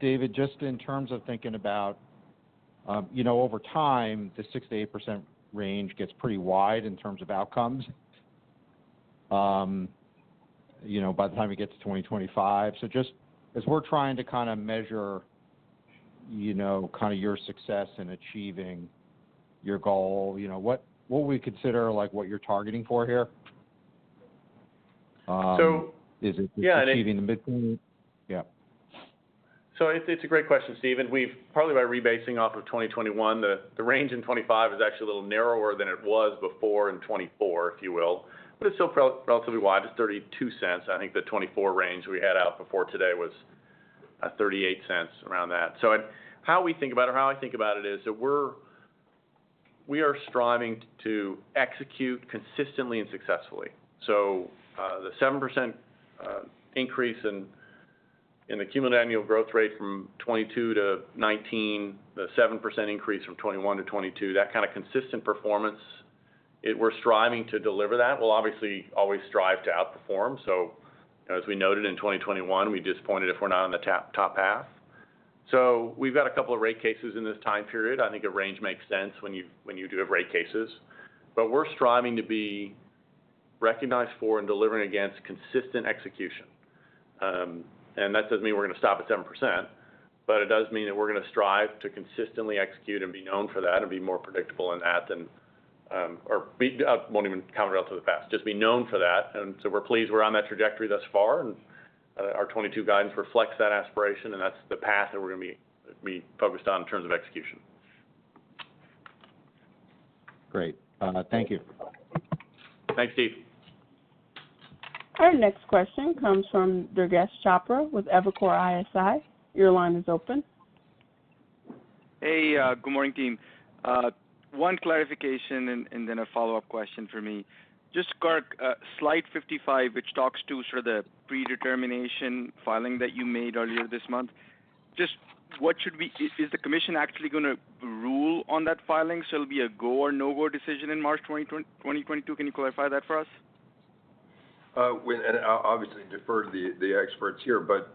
David, just in terms of thinking about, over time, the 6%-8% range gets pretty wide in terms of outcomes, by the time we get to 2025. Just as we're trying to measure your success in achieving your goal, what would we consider what you're targeting for here? So- Is it- Yeah, achieving the midpoint? Yeah. It's a great question, Steve, and we've partly by rebasing off of 2021, the range in 2025 is actually a little narrower than it was before in 2024, if you will. It's still relatively wide. It's $0.32. I think the 2024 range we had out before today was at $0.38, around that. How I think about it is that we are striving to execute consistently and successfully. The 7% increase in the cumulative annual growth rate from 2022-2019, the 7% increase from 2021-2022, that kind of consistent performance, we're striving to deliver that. We'll obviously always strive to outperform. As we noted in 2021, we're disappointed if we're not on the top half. We've got a couple of rate cases in this time period. I think a range makes sense when you do have rate cases. We're striving to be recognized for and delivering against consistent execution. That doesn't mean we're going to stop at 7%, but it does mean that we're going to strive to consistently execute and be known for that and be more predictable in that. I won't even comment relative to the past. Just be known for that. We're pleased we're on that trajectory thus far, and our 2022 guidance reflects that aspiration, and that's the path that we're going to be focused on in terms of execution. Great. Thank you. Thanks, Steve. Our next question comes from Durgesh Chopra with Evercore ISI. Your line is open. Hey, good morning, team. One clarification and then a follow-up question for me. Just, Kirk, slide 55, which talks to sort of the predetermination filing that you made earlier this month. Is the commission actually going to rule on that filing, so it'll be a go or no-go decision in March 2022? Can you clarify that for us? I'll obviously defer to the experts here, but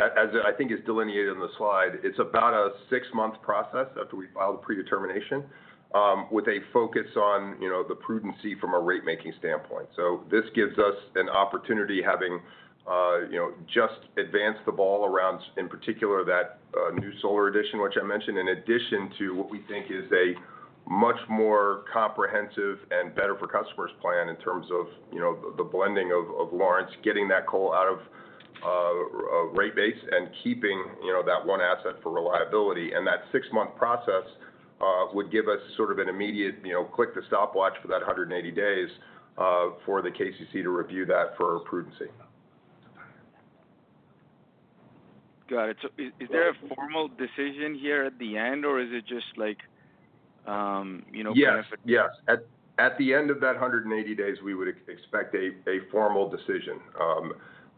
as I think is delineated on the slide, it's about a 6-month process after we file the predetermination, with a focus on the prudency from a rate-making standpoint. This gives us an opportunity, having just advanced the ball around, in particular, that new solar addition which I mentioned, in addition to what we think is a much more comprehensive and better-for-customers plan in terms of the blending of Lawrence, getting that coal out of rate base and keeping that 1 asset for reliability. That 6-month process would give us sort of an immediate click the stopwatch for that 180 days for the KCC to review that for prudency. Got it. Is there a formal decision here at the end? Yes. At the end of that 180 days, we would expect a formal decision.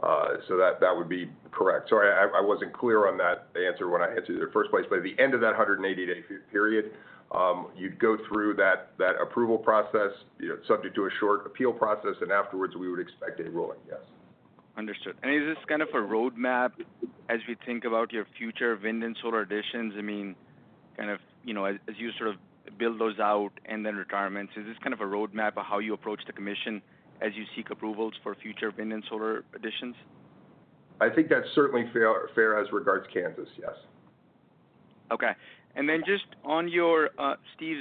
That would be correct. Sorry, I wasn't clear on that answer when I answered in the first place, at the end of that 180-day period, you'd go through that approval process, subject to a short appeal process, afterwards we would expect a ruling, yes. Understood. Is this kind of a roadmap as we think about your future wind and solar additions? As you sort of build those out and then retirements, is this kind of a roadmap of how you approach the commission as you seek approvals for future wind and solar additions? I think that's certainly fair as regards Kansas, yes. Just on Steve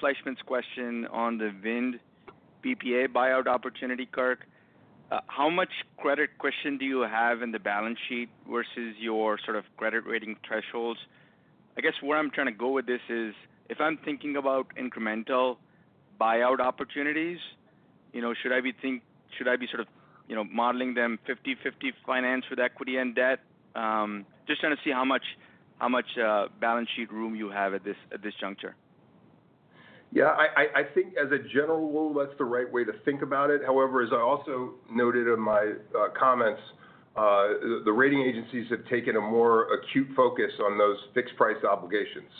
Fleishman's question on the wind PPA buyout opportunity, Kirk, how much credit cushion do you have in the balance sheet versus your sort of credit rating thresholds? Where I'm trying to go with this is, if I'm thinking about incremental buyout opportunities, should I be sort of modeling them 50/50 finance with equity and debt? Just trying to see how much balance sheet room you have at this juncture. Yeah, I think as a general rule, that's the right way to think about it. However, as I also noted in my comments, the rating agencies have taken a more acute focus on those fixed-price obligations.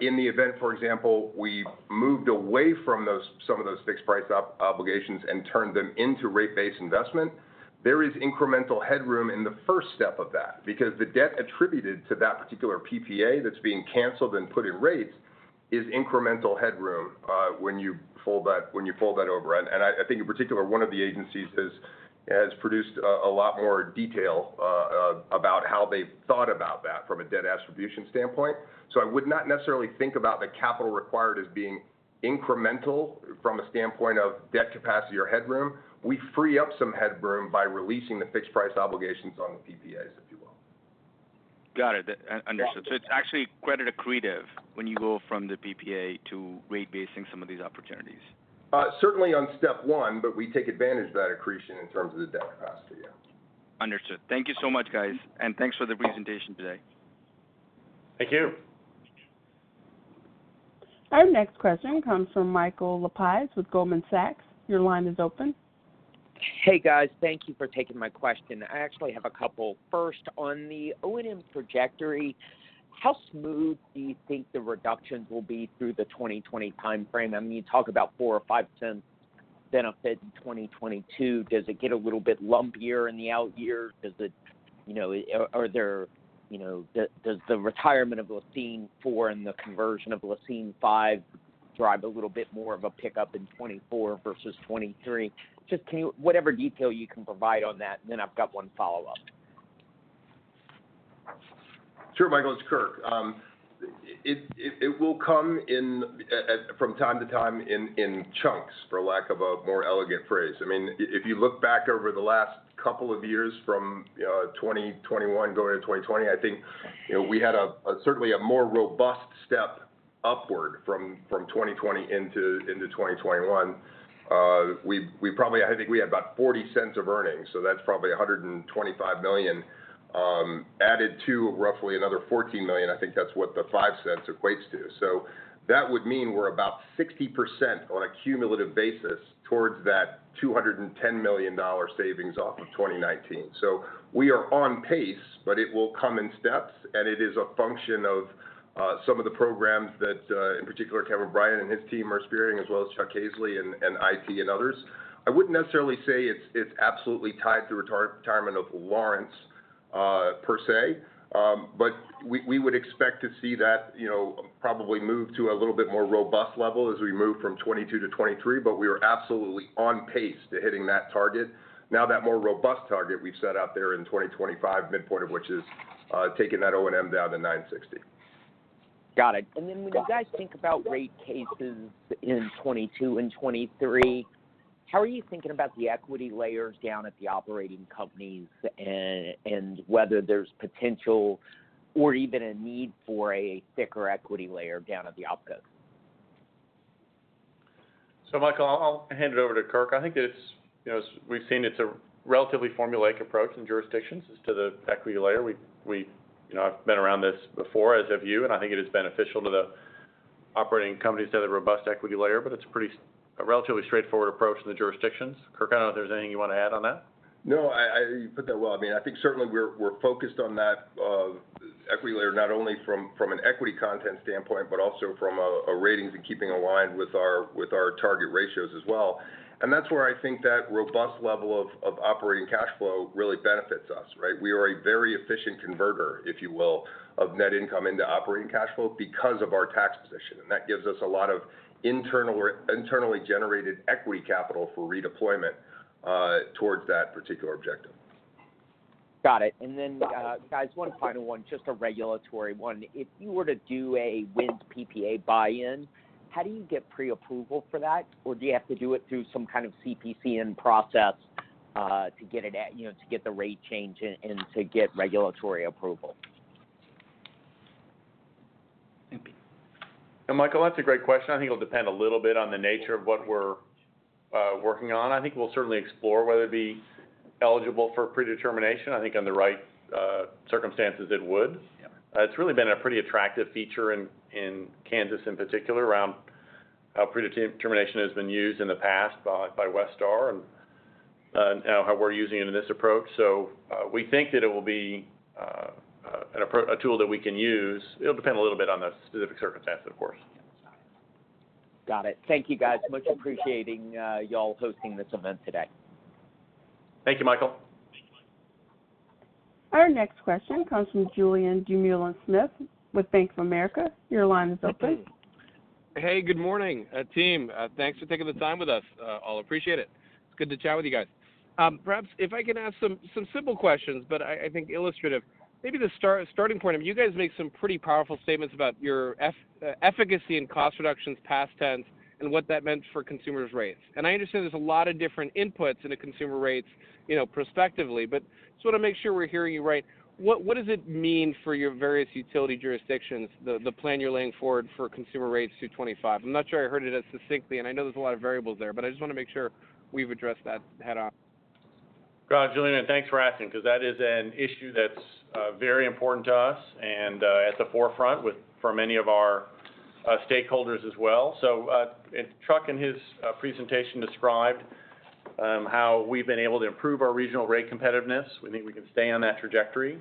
In the event, for example, we moved away from some of those fixed-price obligations and turned them into rate-based investment, there is incremental headroom in the first step of that. Because the debt attributed to that particular PPA that's being canceled and put in rates is incremental headroom, when you fold that over. I think in particular, one of the agencies has produced a lot more detail about how they've thought about that from a debt attribution standpoint. I would not necessarily think about the capital required as being incremental from a standpoint of debt capacity or headroom. We free up some headroom by releasing the fixed-price obligations on the PPAs, if you will. Got it. Understood. It's actually credit accretive when you go from the PPA to rate basing some of these opportunities. Certainly on step one, we take advantage of that accretion in terms of the debt capacity, yeah. Understood. Thank you so much, guys, and thanks for the presentation today. Thank you. Our next question comes from Michael Lapides with Goldman Sachs. Your line is open. Hey, guys. Thank you for taking my question. I actually have a couple. First, on the O&M trajectory, how smooth do you think the reductions will be through the 2020 timeframe? You talk about $0.04 or $0.05 benefit in 2022. Does it get a little bit lumpier in the out years? Does the retirement of La Cygne and the conversion of Lawrence 5 drive a little bit more of a pickup in 2024 versus 2023? Just whatever detail you can provide on that, then I've got one follow-up. Sure, Michael, it's Kirk. It will come from time to time in chunks, for lack of a more elegant phrase. If you look back over the last couple of years from 2021 going to 2020, I think we had certainly a more robust step upward from 2020 into 2021. I think we had about $0.40 of earnings, so that's probably $125 million added to roughly another $14 million. I think that's what the $0.05 equates to. That would mean we're about 60% on a cumulative basis towards that $210 million savings off of 2019. We are on pace, but it will come in steps, and it is a function of some of the programs that, in particular, Kevin Bryant and his team are steering, as well as Chuck Caisley and IT and others. I wouldn't necessarily say it's absolutely tied to retirement of Lawrence per se. We would expect to see that probably move to a little bit more robust level as we move from 2022 to 2023, but we are absolutely on pace to hitting that target. Now that more robust target we've set out there in 2025, midpoint of which is taking that O&M down to $960 million. Got it. When you guys think about rate cases in 2022 and 2023, how are you thinking about the equity layers down at the operating companies and whether there's potential or even a need for a thicker equity layer down at the opco? Michael, I'll hand it over to Kirk. I think as we've seen, it's a relatively formulaic approach in jurisdictions as to the equity layer. I've been around this before, as have you, and I think it is beneficial to the operating companies to have a robust equity layer. It's a relatively straightforward approach in the jurisdictions. Kirk, I don't know if there's anything you want to add on that. No, you put that well. I think certainly we're focused on that equity layer, not only from an equity content standpoint, but also from a ratings and keeping aligned with our target ratios as well. That's where I think that robust level of operating cash flow really benefits us, right? We are a very efficient converter, if you will, of net income into operating cash flow because of our tax position. That gives us a lot of internally generated equity capital for redeployment towards that particular objective. Got it. Guys, one final one, just a regulatory one. If you were to do a wind PPA buy-in, how do you get preapproval for that? Do you have to do it through some kind of CPCN process to get the rate change and to get regulatory approval? Michael, that's a great question. I think it'll depend a little bit on the nature of what we're working on. I think we'll certainly explore whether it be eligible for predetermination. I think on the right circumstances, it would. It's really been a pretty attractive feature in Kansas, in particular, around how predetermination has been used in the past by Westar and now how we're using it in this approach. We think that it will be a tool that we can use. It'll depend a little bit on the specific circumstance, of course. Got it. Thank you guys much. Appreciating y'all hosting this event today. Thank you, Michael. Our next question comes from Julien Dumoulin-Smith with Bank of America. Your line is open. Hey, good morning, team. Thanks for taking the time with us. I'll appreciate it. It's good to chat with you guys. Perhaps if I can ask some simple questions, but I think illustrative. Maybe the starting point of you guys make some pretty powerful statements about your efficacy and cost reductions, past tense, and what that meant for consumers' rates. I understand there's a lot of different inputs into consumer rates prospectively, but just want to make sure we're hearing you right. What does it mean for your various utility jurisdictions, the plan you're laying forward for consumer rates through 2025? I'm not sure I heard it as succinctly, and I know there's a lot of variables there, but I just want to make sure we've addressed that head-on. Got it, Julien, thanks for asking because that is an issue that's very important to us and at the forefront for many of our stakeholders as well. Chuck in his presentation described how we've been able to improve our regional rate competitiveness. We think we can stay on that trajectory.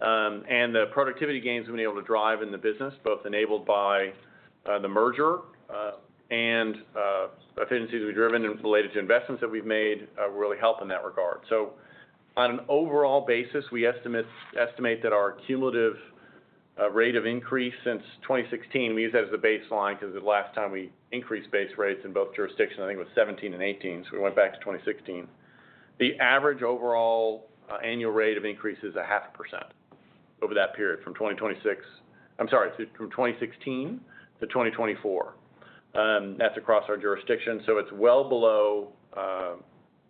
The productivity gains we've been able to drive in the business, both enabled by the merger and efficiencies we've driven related to investments that we've made really help in that regard. On an overall basis, we estimate that our cumulative rate of increase since 2016, we use that as a baseline because the last time we increased base rates in both jurisdictions, I think it was 2017 and 2018. We went back to 2016. The average overall annual rate of increase is 0.5% over that period from 2016 to 2024. That's across our jurisdiction. It's well below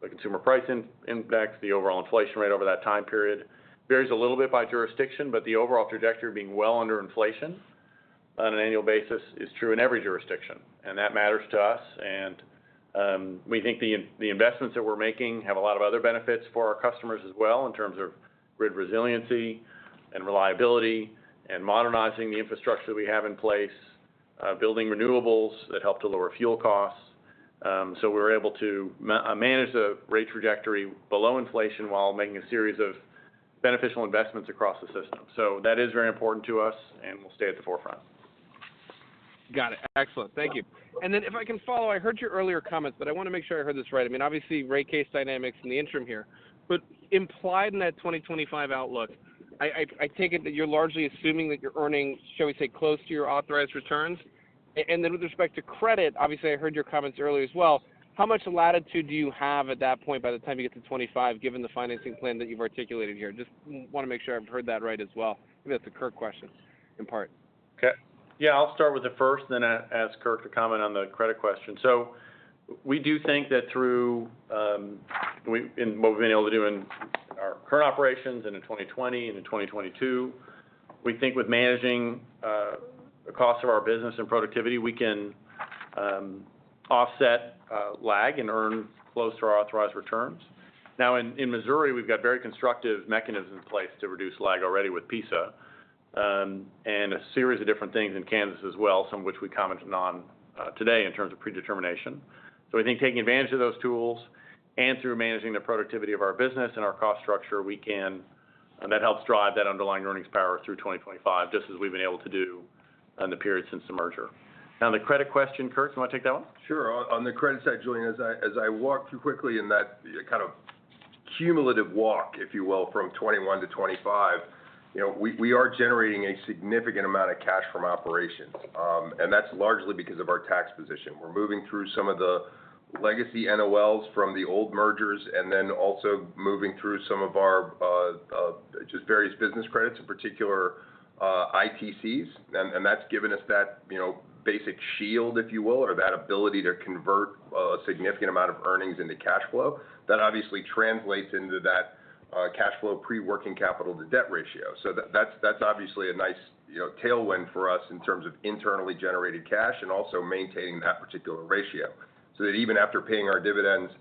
the Consumer Price Index. The overall inflation rate over that time period varies a little bit by jurisdiction, but the overall trajectory being well under inflation on an annual basis is true in every jurisdiction. That matters to us. We think the investments that we're making have a lot of other benefits for our customers as well, in terms of grid resiliency and reliability and modernizing the infrastructure that we have in place, building renewables that help to lower fuel costs. We're able to manage the rate trajectory below inflation while making a series of beneficial investments across the system. That is very important to us, and we'll stay at the forefront. Got it. Excellent. Thank you. If I can follow, I heard your earlier comments, but I want to make sure I heard this right. Obviously, rate case dynamics in the interim here, but implied in that 2025 outlook, I take it that you're largely assuming that you're earning, shall we say, close to your authorized returns? With respect to credit, obviously I heard your comments earlier as well, how much latitude do you have at that point by the time you get to 2025, given the financing plan that you've articulated here? Just want to make sure I've heard that right as well. Maybe that's a Kirk question, in part. Okay. Yeah, I'll start with it first, then ask Kirk to comment on the credit cushion. We do think that through what we've been able to do in our current operations and in 2020 and in 2022, we think with managing the cost of our business and productivity, we can offset lag and earn close to our authorized returns. Now, in Missouri, we've got very constructive mechanisms in place to reduce lag already with PISA, and a series of different things in Kansas as well, some of which we commented on today in terms of predetermination. We think taking advantage of those tools and through managing the productivity of our business and our cost structure, that helps drive that underlying earnings power through 2025, just as we've been able to do in the period since the merger. Now, the credit cushion, Kirk, you want to take that one? Sure. On the credit side, Julien, as I walk through quickly in that kind of cumulative walk, if you will, from 2021 to 2025, we are generating a significant amount of cash from operations. That's largely because of our tax position. We're moving through some of the legacy NOLs from the old mergers and then also moving through some of our just various business credits, in particular, ITCs. That's given us that basic shield, if you will, or that ability to convert a significant amount of earnings into cash flow. That obviously translates into that cash flow pre-working capital to debt ratio. That's obviously a nice tailwind for us in terms of internally generated cash and also maintaining that particular ratio. That even after paying our dividends,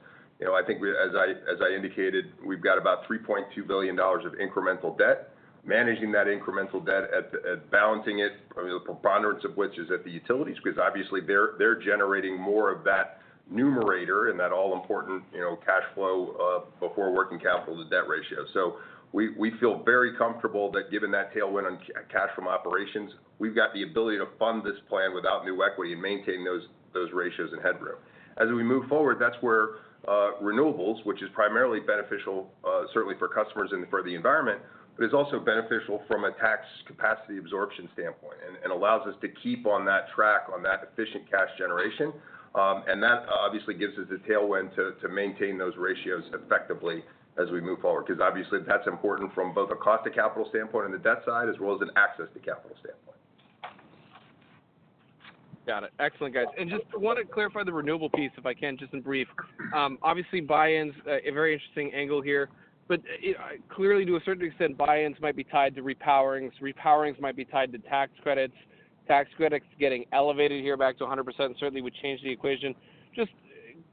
I think as I indicated, we've got about $3.2 billion of incremental debt. Managing that incremental debt, balancing it, the preponderance of which is at the utilities because obviously they're generating more of that numerator and that all-important cash flow before working capital to debt ratio. We feel very comfortable that given that tailwind on cash from operations, we've got the ability to fund this plan without new equity and maintain those ratios and headroom. As we move forward, that's where renewables, which is primarily beneficial certainly for customers and for the environment, but is also beneficial from a tax capacity absorption standpoint and allows us to keep on that track on that efficient cash generation. That obviously gives us a tailwind to maintain those ratios effectively as we move forward, because obviously that's important from both a cost to capital standpoint and the debt side, as well as an access to capital standpoint. Got it. Excellent, guys. Just want to clarify the renewable piece, if I can, just in brief. Obviously buy-in's a very interesting angle here, but clearly to a certain extent, buy-ins might be tied to repowerings might be tied to tax credits, tax credits getting elevated here back to 100% certainly would change the equation. Just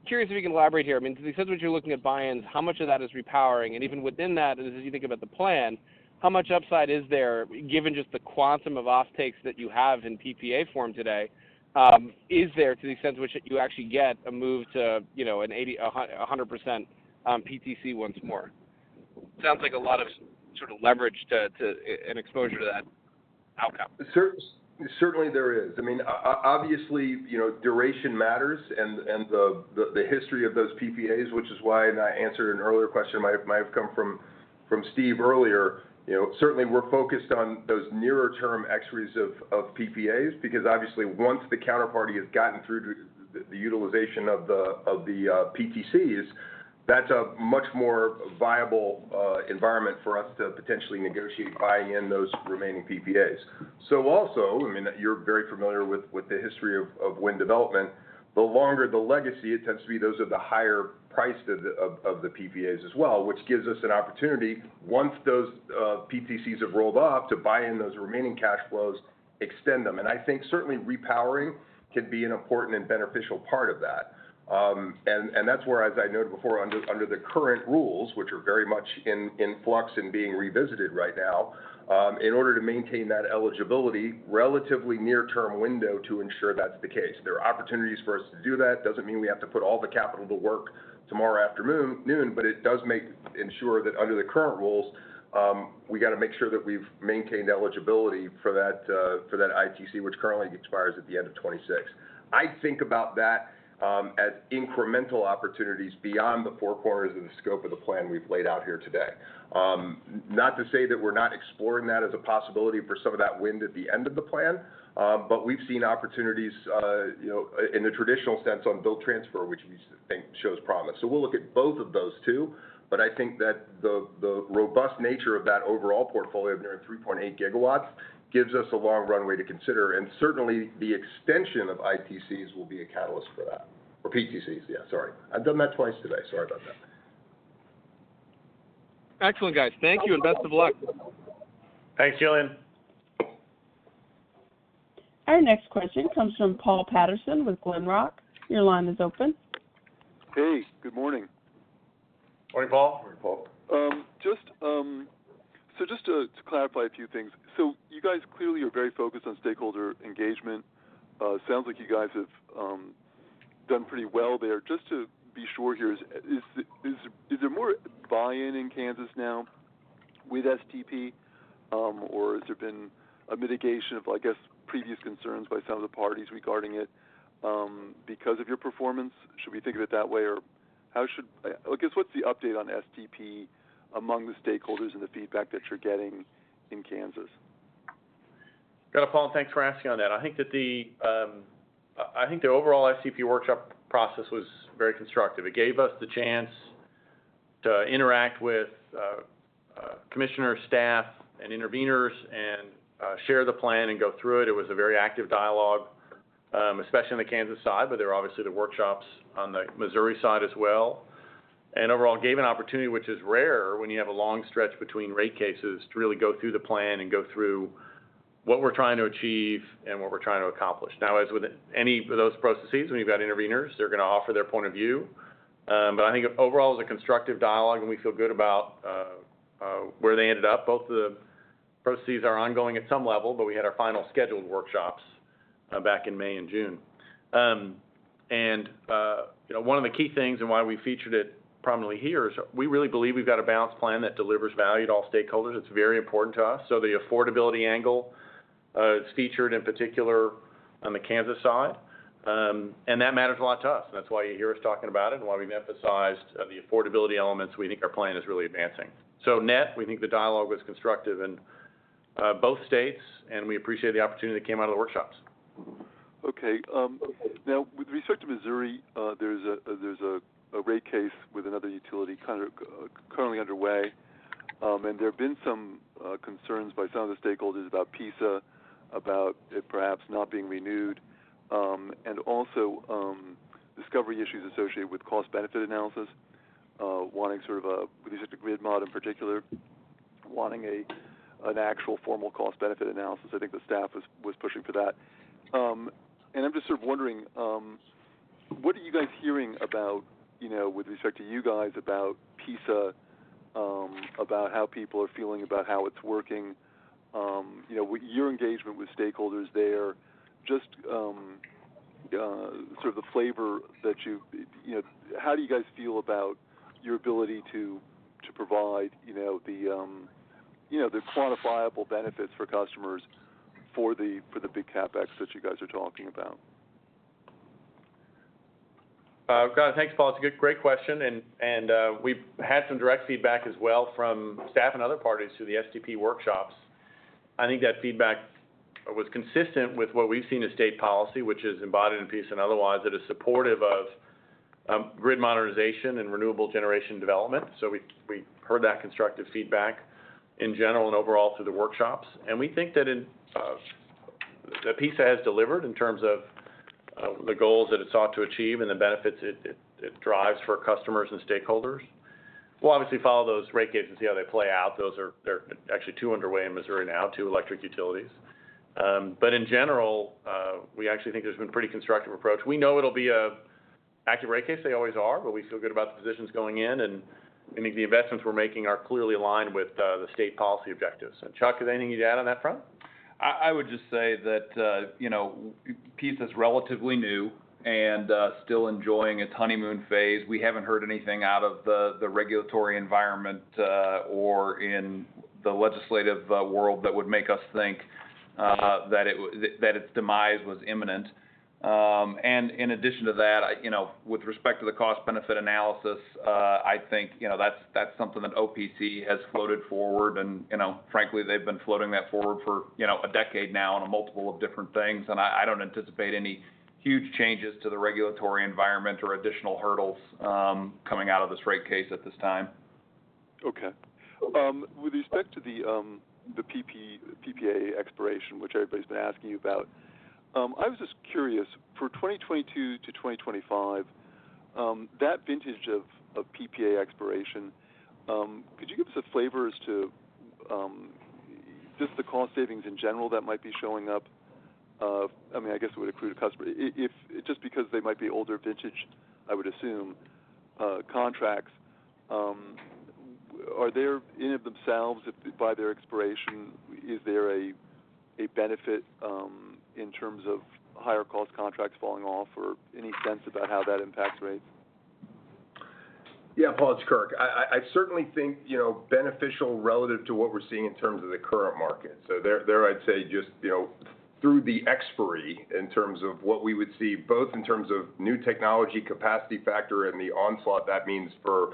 curious if you can elaborate here. To the extent that you're looking at buy-ins, how much of that is repowering? Even within that, as you think about the plan, how much upside is there, given just the quantum of offtakes that you have in PPA form today, is there to the extent to which you actually get a move to a 100% PTC once more? Sounds like a lot of sort of leverage to an exposure to that outcome. Certainly there is. Obviously, duration matters and the history of those PPAs, which is why, I answered an earlier question, might have come from Steve Fleishman earlier. Certainly we're focused on those nearer term expiries of PPAs because obviously once the counterparty has gotten through the utilization of the PTCs, that's a much more viable environment for us to potentially negotiate buying in those remaining PPAs. Also, you're very familiar with the history of wind development. The longer the legacy, it tends to be those are the higher priced of the PPAs as well, which gives us an opportunity, once those PTCs have rolled off, to buy in those remaining cash flows, extend them. I think certainly repowering can be an important and beneficial part of that. That's where, as I noted before, under the current rules, which are very much in flux and being revisited right now, in order to maintain that eligibility, relatively near-term window to ensure that's the case. There are opportunities for us to do that. Doesn't mean we have to put all the capital to work tomorrow afternoon, but it does ensure that under the current rules, we got to make sure that we've maintained eligibility for that ITC, which currently expires at the end of 2026. I think about that as incremental opportunities beyond the four corners of the scope of the plan we've laid out here today. Not to say that we're not exploring that as a possibility for some of that wind at the end of the plan, but we've seen opportunities in the traditional sense on build transfer, which we think shows promise. We'll look at both of those two, but I think that the robust nature of that overall portfolio of near 3.8 GW gives us a long runway to consider, and certainly the extension of ITCs will be a catalyst for that. PTCs, yeah, sorry. I've done that twice today. Sorry about that. Excellent, guys. Thank you, and best of luck. Thanks, Julien. Our next question comes from Paul Patterson with Glenrock. Your line is open. Hey, good morning. Morning, Paul. Just to clarify a few things. You guys clearly are very focused on stakeholder engagement. Sounds like you guys have done pretty well there. Just to be sure here, is there more buy-in in Kansas now with STP, or has there been a mitigation of, I guess, previous concerns by some of the parties regarding it because of your performance? Should we think of it that way? I guess, what's the update on STP among the stakeholders and the feedback that you're getting in Kansas? Got it, Paul. Thanks for asking on that. I think the overall STP workshop process was very constructive. It gave us the chance to interact with commissioner staff and interveners and share the plan and go through it. It was a very active dialogue, especially on the Kansas side, but there are obviously the workshops on the Missouri side as well. Overall, gave an opportunity, which is rare when you have a long stretch between rate cases, to really go through the plan and go through what we're trying to achieve and what we're trying to accomplish. Now, as with any of those processes, when you've got interveners, they're going to offer their point of view. I think overall, it was a constructive dialogue, and we feel good about where they ended up. Both of the processes are ongoing at some level, but we had our final scheduled workshops back in May and June. One of the key things and why we featured it prominently here is we really believe we've got a balanced plan that delivers value to all stakeholders. It's very important to us. The affordability angle is featured in particular on the Kansas side, and that matters a lot to us, and that's why you hear us talking about it and why we've emphasized the affordability elements. We think our plan is really advancing. Net, we think the dialogue was constructive in both states, and we appreciate the opportunity that came out of the workshops. Okay. Now, with respect to Missouri, there's a rate case with another utility currently underway. There have been some concerns by some of the stakeholders about PISA, about it perhaps not being renewed, and also discovery issues associated with cost-benefit analysis, with respect to grid mod in particular, wanting an actual formal cost-benefit analysis. I think the staff was pushing for that. I'm just sort of wondering, what are you guys hearing about, with respect to you guys, about PISA, about how people are feeling about how it's working? With your engagement with stakeholders there, just sort of the flavor. How do you guys feel about your ability to provide the quantifiable benefits for customers for the big CapEx that you guys are talking about? Got it. Thanks, Paul. It's a great question. We've had some direct feedback as well from staff and other parties through the STP workshops. I think that feedback was consistent with what we've seen as state policy, which is embodied in PISA and otherwise, that is supportive of grid modernization and renewable generation development. We heard that constructive feedback in general and overall through the workshops. We think that PISA has delivered in terms of the goals that it sought to achieve and the benefits it drives for customers and stakeholders. We'll obviously follow those rate cases, see how they play out. There are actually 2 underway in Missouri now, 2 electric utilities. In general, we actually think there's been a pretty constructive approach. We know it'll be an active rate case. They always are, but we feel good about the positions going in, and I think the investments we're making are clearly aligned with the state policy objectives. Chuck, is there anything you'd add on that front? I would just say that PISA's relatively new and still enjoying its honeymoon phase. We haven't heard anything out of the regulatory environment or in the legislative world that would make us think that its demise was imminent. In addition to that, with respect to the cost-benefit analysis, I think that's something that OPC has floated forward, and frankly, they've been floating that forward for a decade now on a multiple of different things, and I don't anticipate any huge changes to the regulatory environment or additional hurdles coming out of this rate case at this time. Okay. With respect to the PPA expiration, which everybody's been asking you about, I was just curious, for 2022 to 2025, that vintage of PPA expiration, could you give us a flavor as to just the cost savings in general that might be showing up? I guess it would accrue to customer. Just because they might be older vintage, I would assume, contracts, are there in and of themselves by their expiration, is there a benefit in terms of higher cost contracts falling off or any sense about how that impacts rates? Yeah, Paul, it's Kirk. I certainly think beneficial relative to what we're seeing in terms of the current market. There I'd say just through the expiry in terms of what we would see, both in terms of new technology capacity factor and the onslaught that means for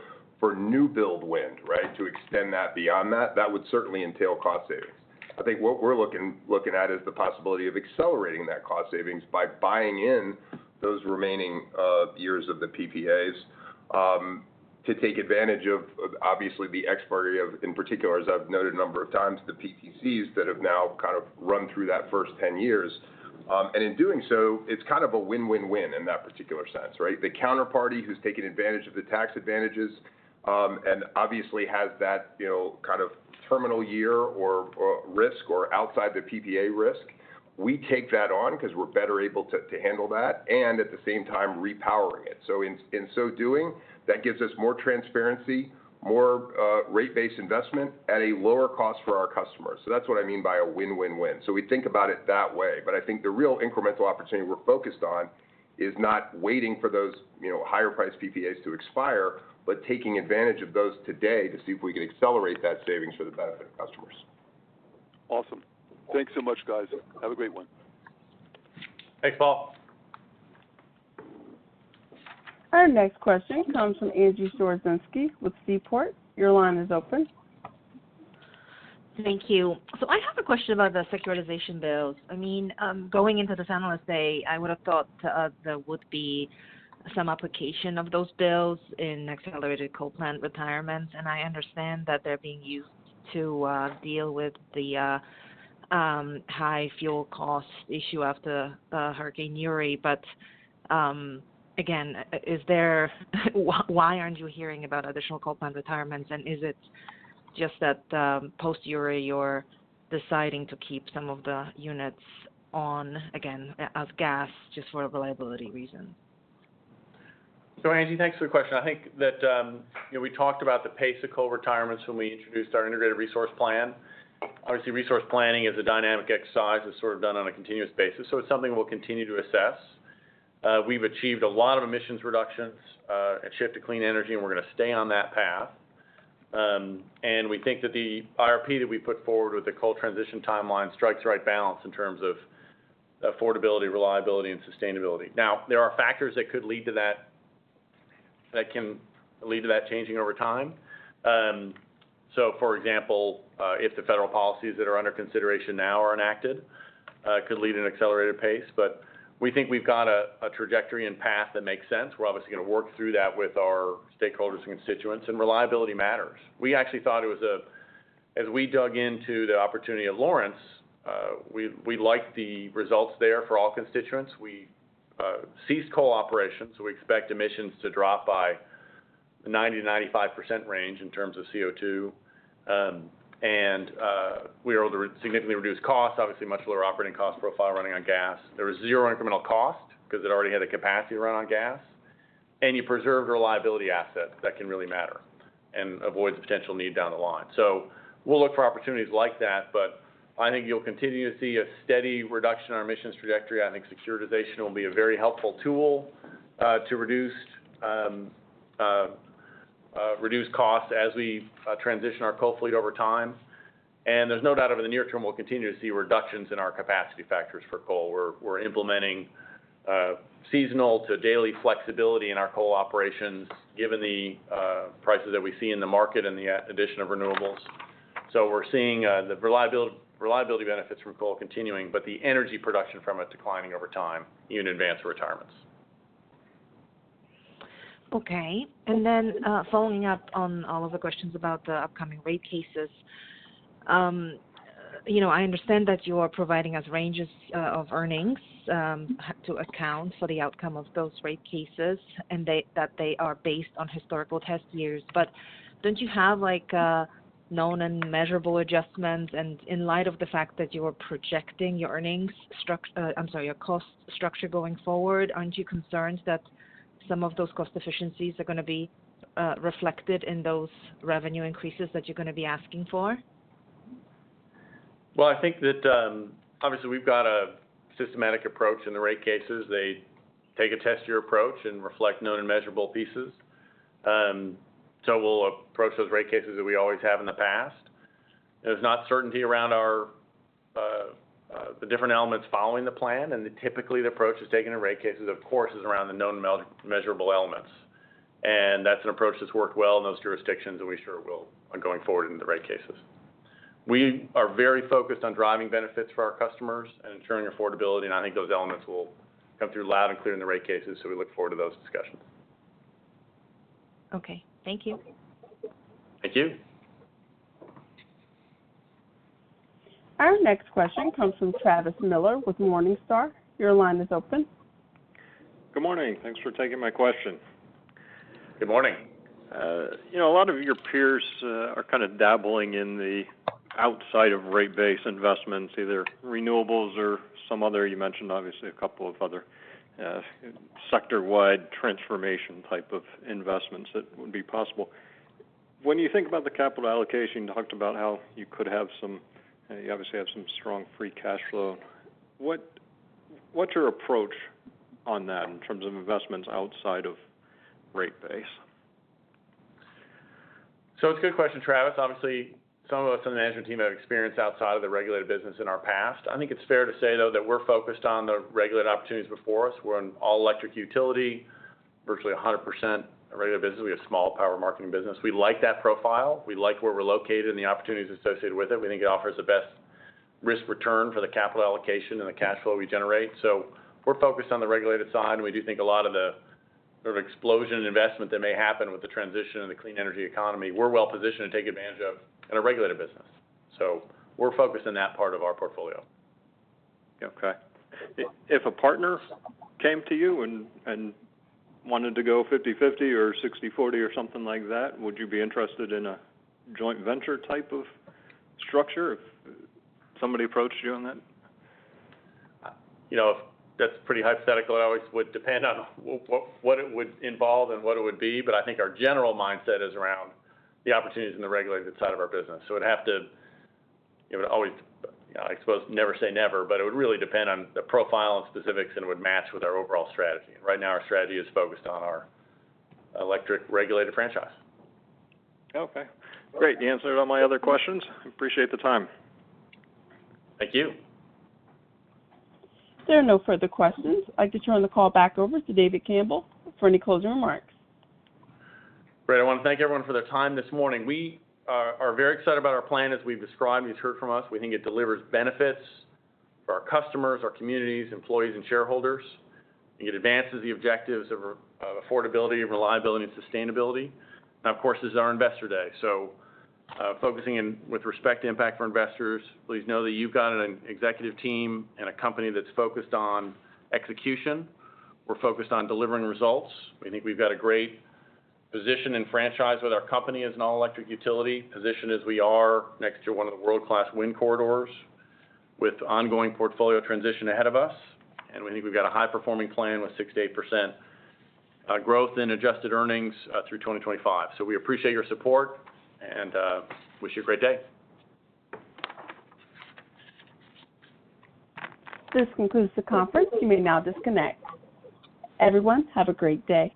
new build wind, right? To extend that beyond that would certainly entail cost savings. I think what we're looking at is the possibility of accelerating that cost savings by buying in those remaining years of the PPAs to take advantage of obviously the expiry of- In particular, as I've noted a number of times, the PTCs that have now run through that first 10 years. In doing so, it's kind of a win-win-win in that particular sense, right? The counterparty who's taking advantage of the tax advantages, and obviously has that terminal year or risk or outside-the-PPA risk, we take that on because we're better able to handle that and, at the same time, repowering it. In so doing, that gives us more transparency, more rate-based investment at a lower cost for our customers. That's what I mean by a win-win-win. We think about it that way, but I think the real incremental opportunity we're focused on is not waiting for those higher priced PPAs to expire, but taking advantage of those today to see if we can accelerate that savings for the benefit of customers. Awesome. Thanks so much, guys. Have a great one. Thanks, Paul. Our next question comes from Agnieszka Storozynski with Seaport. Your line is open. Thank you. I have a question about the securitization bills. Going into this analyst day, I would've thought there would be some application of those bills in accelerated coal plant retirements, and I understand that they're being used to deal with the high fuel cost issue after Winter Storm Uri. Again, why aren't you hearing about additional coal plant retirements? Is it just that post-Uri, you're deciding to keep some of the units on, again, as gas, just for reliability reasons? Agnieszka, thanks for the question. I think that we talked about the pace of coal retirements when we introduced our integrated resource plan. Obviously, resource planning is a dynamic exercise. It's sort of done on a continuous basis, so it's something we'll continue to assess. We've achieved a lot of emissions reductions, and shift to clean energy, and we're going to stay on that path. We think that the IRP that we put forward with the coal transition timeline strikes the right balance in terms of affordability, reliability, and sustainability. Now, there are factors that can lead to that changing over time. For example, if the federal policies that are under consideration now are enacted, could lead an accelerated pace. We think we've got a trajectory and path that makes sense. We're obviously going to work through that with our stakeholders and constituents, and reliability matters. We actually thought, as we dug into the opportunity at Lawrence, we liked the results there for all constituents. We ceased coal operations, so we expect emissions to drop by the 90%-95% range in terms of CO2. We were able to significantly reduce costs. Obviously, much lower operating cost profile running on gas. There was 0 incremental cost because it already had the capacity to run on gas. You preserved reliability assets that can really matter and avoids a potential need down the line. We'll look for opportunities like that, but I think you'll continue to see a steady reduction in our emissions trajectory. I think securitization will be a very helpful tool to reduce costs as we transition our coal fleet over time. There's no doubt over the near term we'll continue to see reductions in our capacity factors for coal. We're implementing seasonal to daily flexibility in our coal operations, given the prices that we see in the market and the addition of renewables. We're seeing the reliability benefits from coal continuing, but the energy production from it declining over time, even advanced retirements. Okay. Following up on all of the questions about the upcoming rate cases. I understand that you are providing us ranges of earnings, to account for the outcome of those rate cases, and that they are based on historical test years. Don't you have known and measurable adjustments? In light of the fact that you are projecting your cost structure going forward, aren't you concerned that some of those cost efficiencies are going to be reflected in those revenue increases that you're going to be asking for? I think that, obviously, we've got a systematic approach in the rate cases. They take a test year approach and reflect known and measurable pieces. So we'll approach those rate cases as we always have in the past. There's not certainty around the different elements following the plan, and typically the approach that's taken in rate cases, of course, is around the known and measurable elements. And that's an approach that's worked well in those jurisdictions, and we sure will going forward in the rate cases. We are very focused on driving benefits for our customers and ensuring affordability, and I think those elements will come through loud and clear in the rate cases, so we look forward to those discussions. Okay. Thank you. Thank you. Our next question comes from Travis Miller with Morningstar. Your line is open. Good morning. Thanks for taking my question. Good morning. A lot of your peers are kind of dabbling in the outside of rate base investments, either renewables or some other, you mentioned, obviously, a couple of other sector-wide transformation type of investments that would be possible. When you think about the capital allocation, you talked about how you obviously have some strong free cash flow. What's your approach on that in terms of investments outside of rate base? It's a good question, Travis. Obviously, some of us on the management team have experience outside of the regulated business in our past. I think it's fair to say, though, that we're focused on the regulated opportunities before us. We're an all electric utility, virtually 100% a regulated business. We have a small power marketing business. We like that profile. We like where we're located and the opportunities associated with it. We think it offers the best risk-return for the capital allocation and the cash flow we generate. We're focused on the regulated side. Sort of explosion in investment that may happen with the transition in the clean energy economy, we're well-positioned to take advantage of in a regulated business. We're focused on that part of our portfolio. Okay. If a partner came to you and wanted to go 50/50 or 60/40 or something like that, would you be interested in a joint venture type of structure if somebody approached you on that? That's pretty hypothetical. It always would depend on what it would involve and what it would be, but I think our general mindset is around the opportunities in the regulated side of our business. It would always, I suppose, never say never, but it would really depend on the profile and specifics, and it would match with our overall strategy. Right now, our strategy is focused on our electric regulated franchise. Okay. Great. You answered all my other questions. I appreciate the time. Thank you. There are no further questions. I'd like to turn the call back over to David Campbell for any closing remarks. Great. I want to thank everyone for their time this morning. We are very excited about our plan. As we've described and you've heard from us, we think it delivers benefits for our customers, our communities, employees, and shareholders, and it advances the objectives of affordability, reliability, and sustainability. Now, of course, this is our Investor Day, so focusing in with respect to impact for investors, please know that you've got an executive team and a company that's focused on execution. We're focused on delivering results. We think we've got a great position and franchise with our company as an all-electric utility, positioned as we are next to one of the world-class wind corridors with ongoing portfolio transition ahead of us, and we think we've got a high-performing plan with 6%-8% growth in adjusted earnings through 2025. We appreciate your support and wish you a great day. This concludes the conference. You may now disconnect. Everyone, have a great day.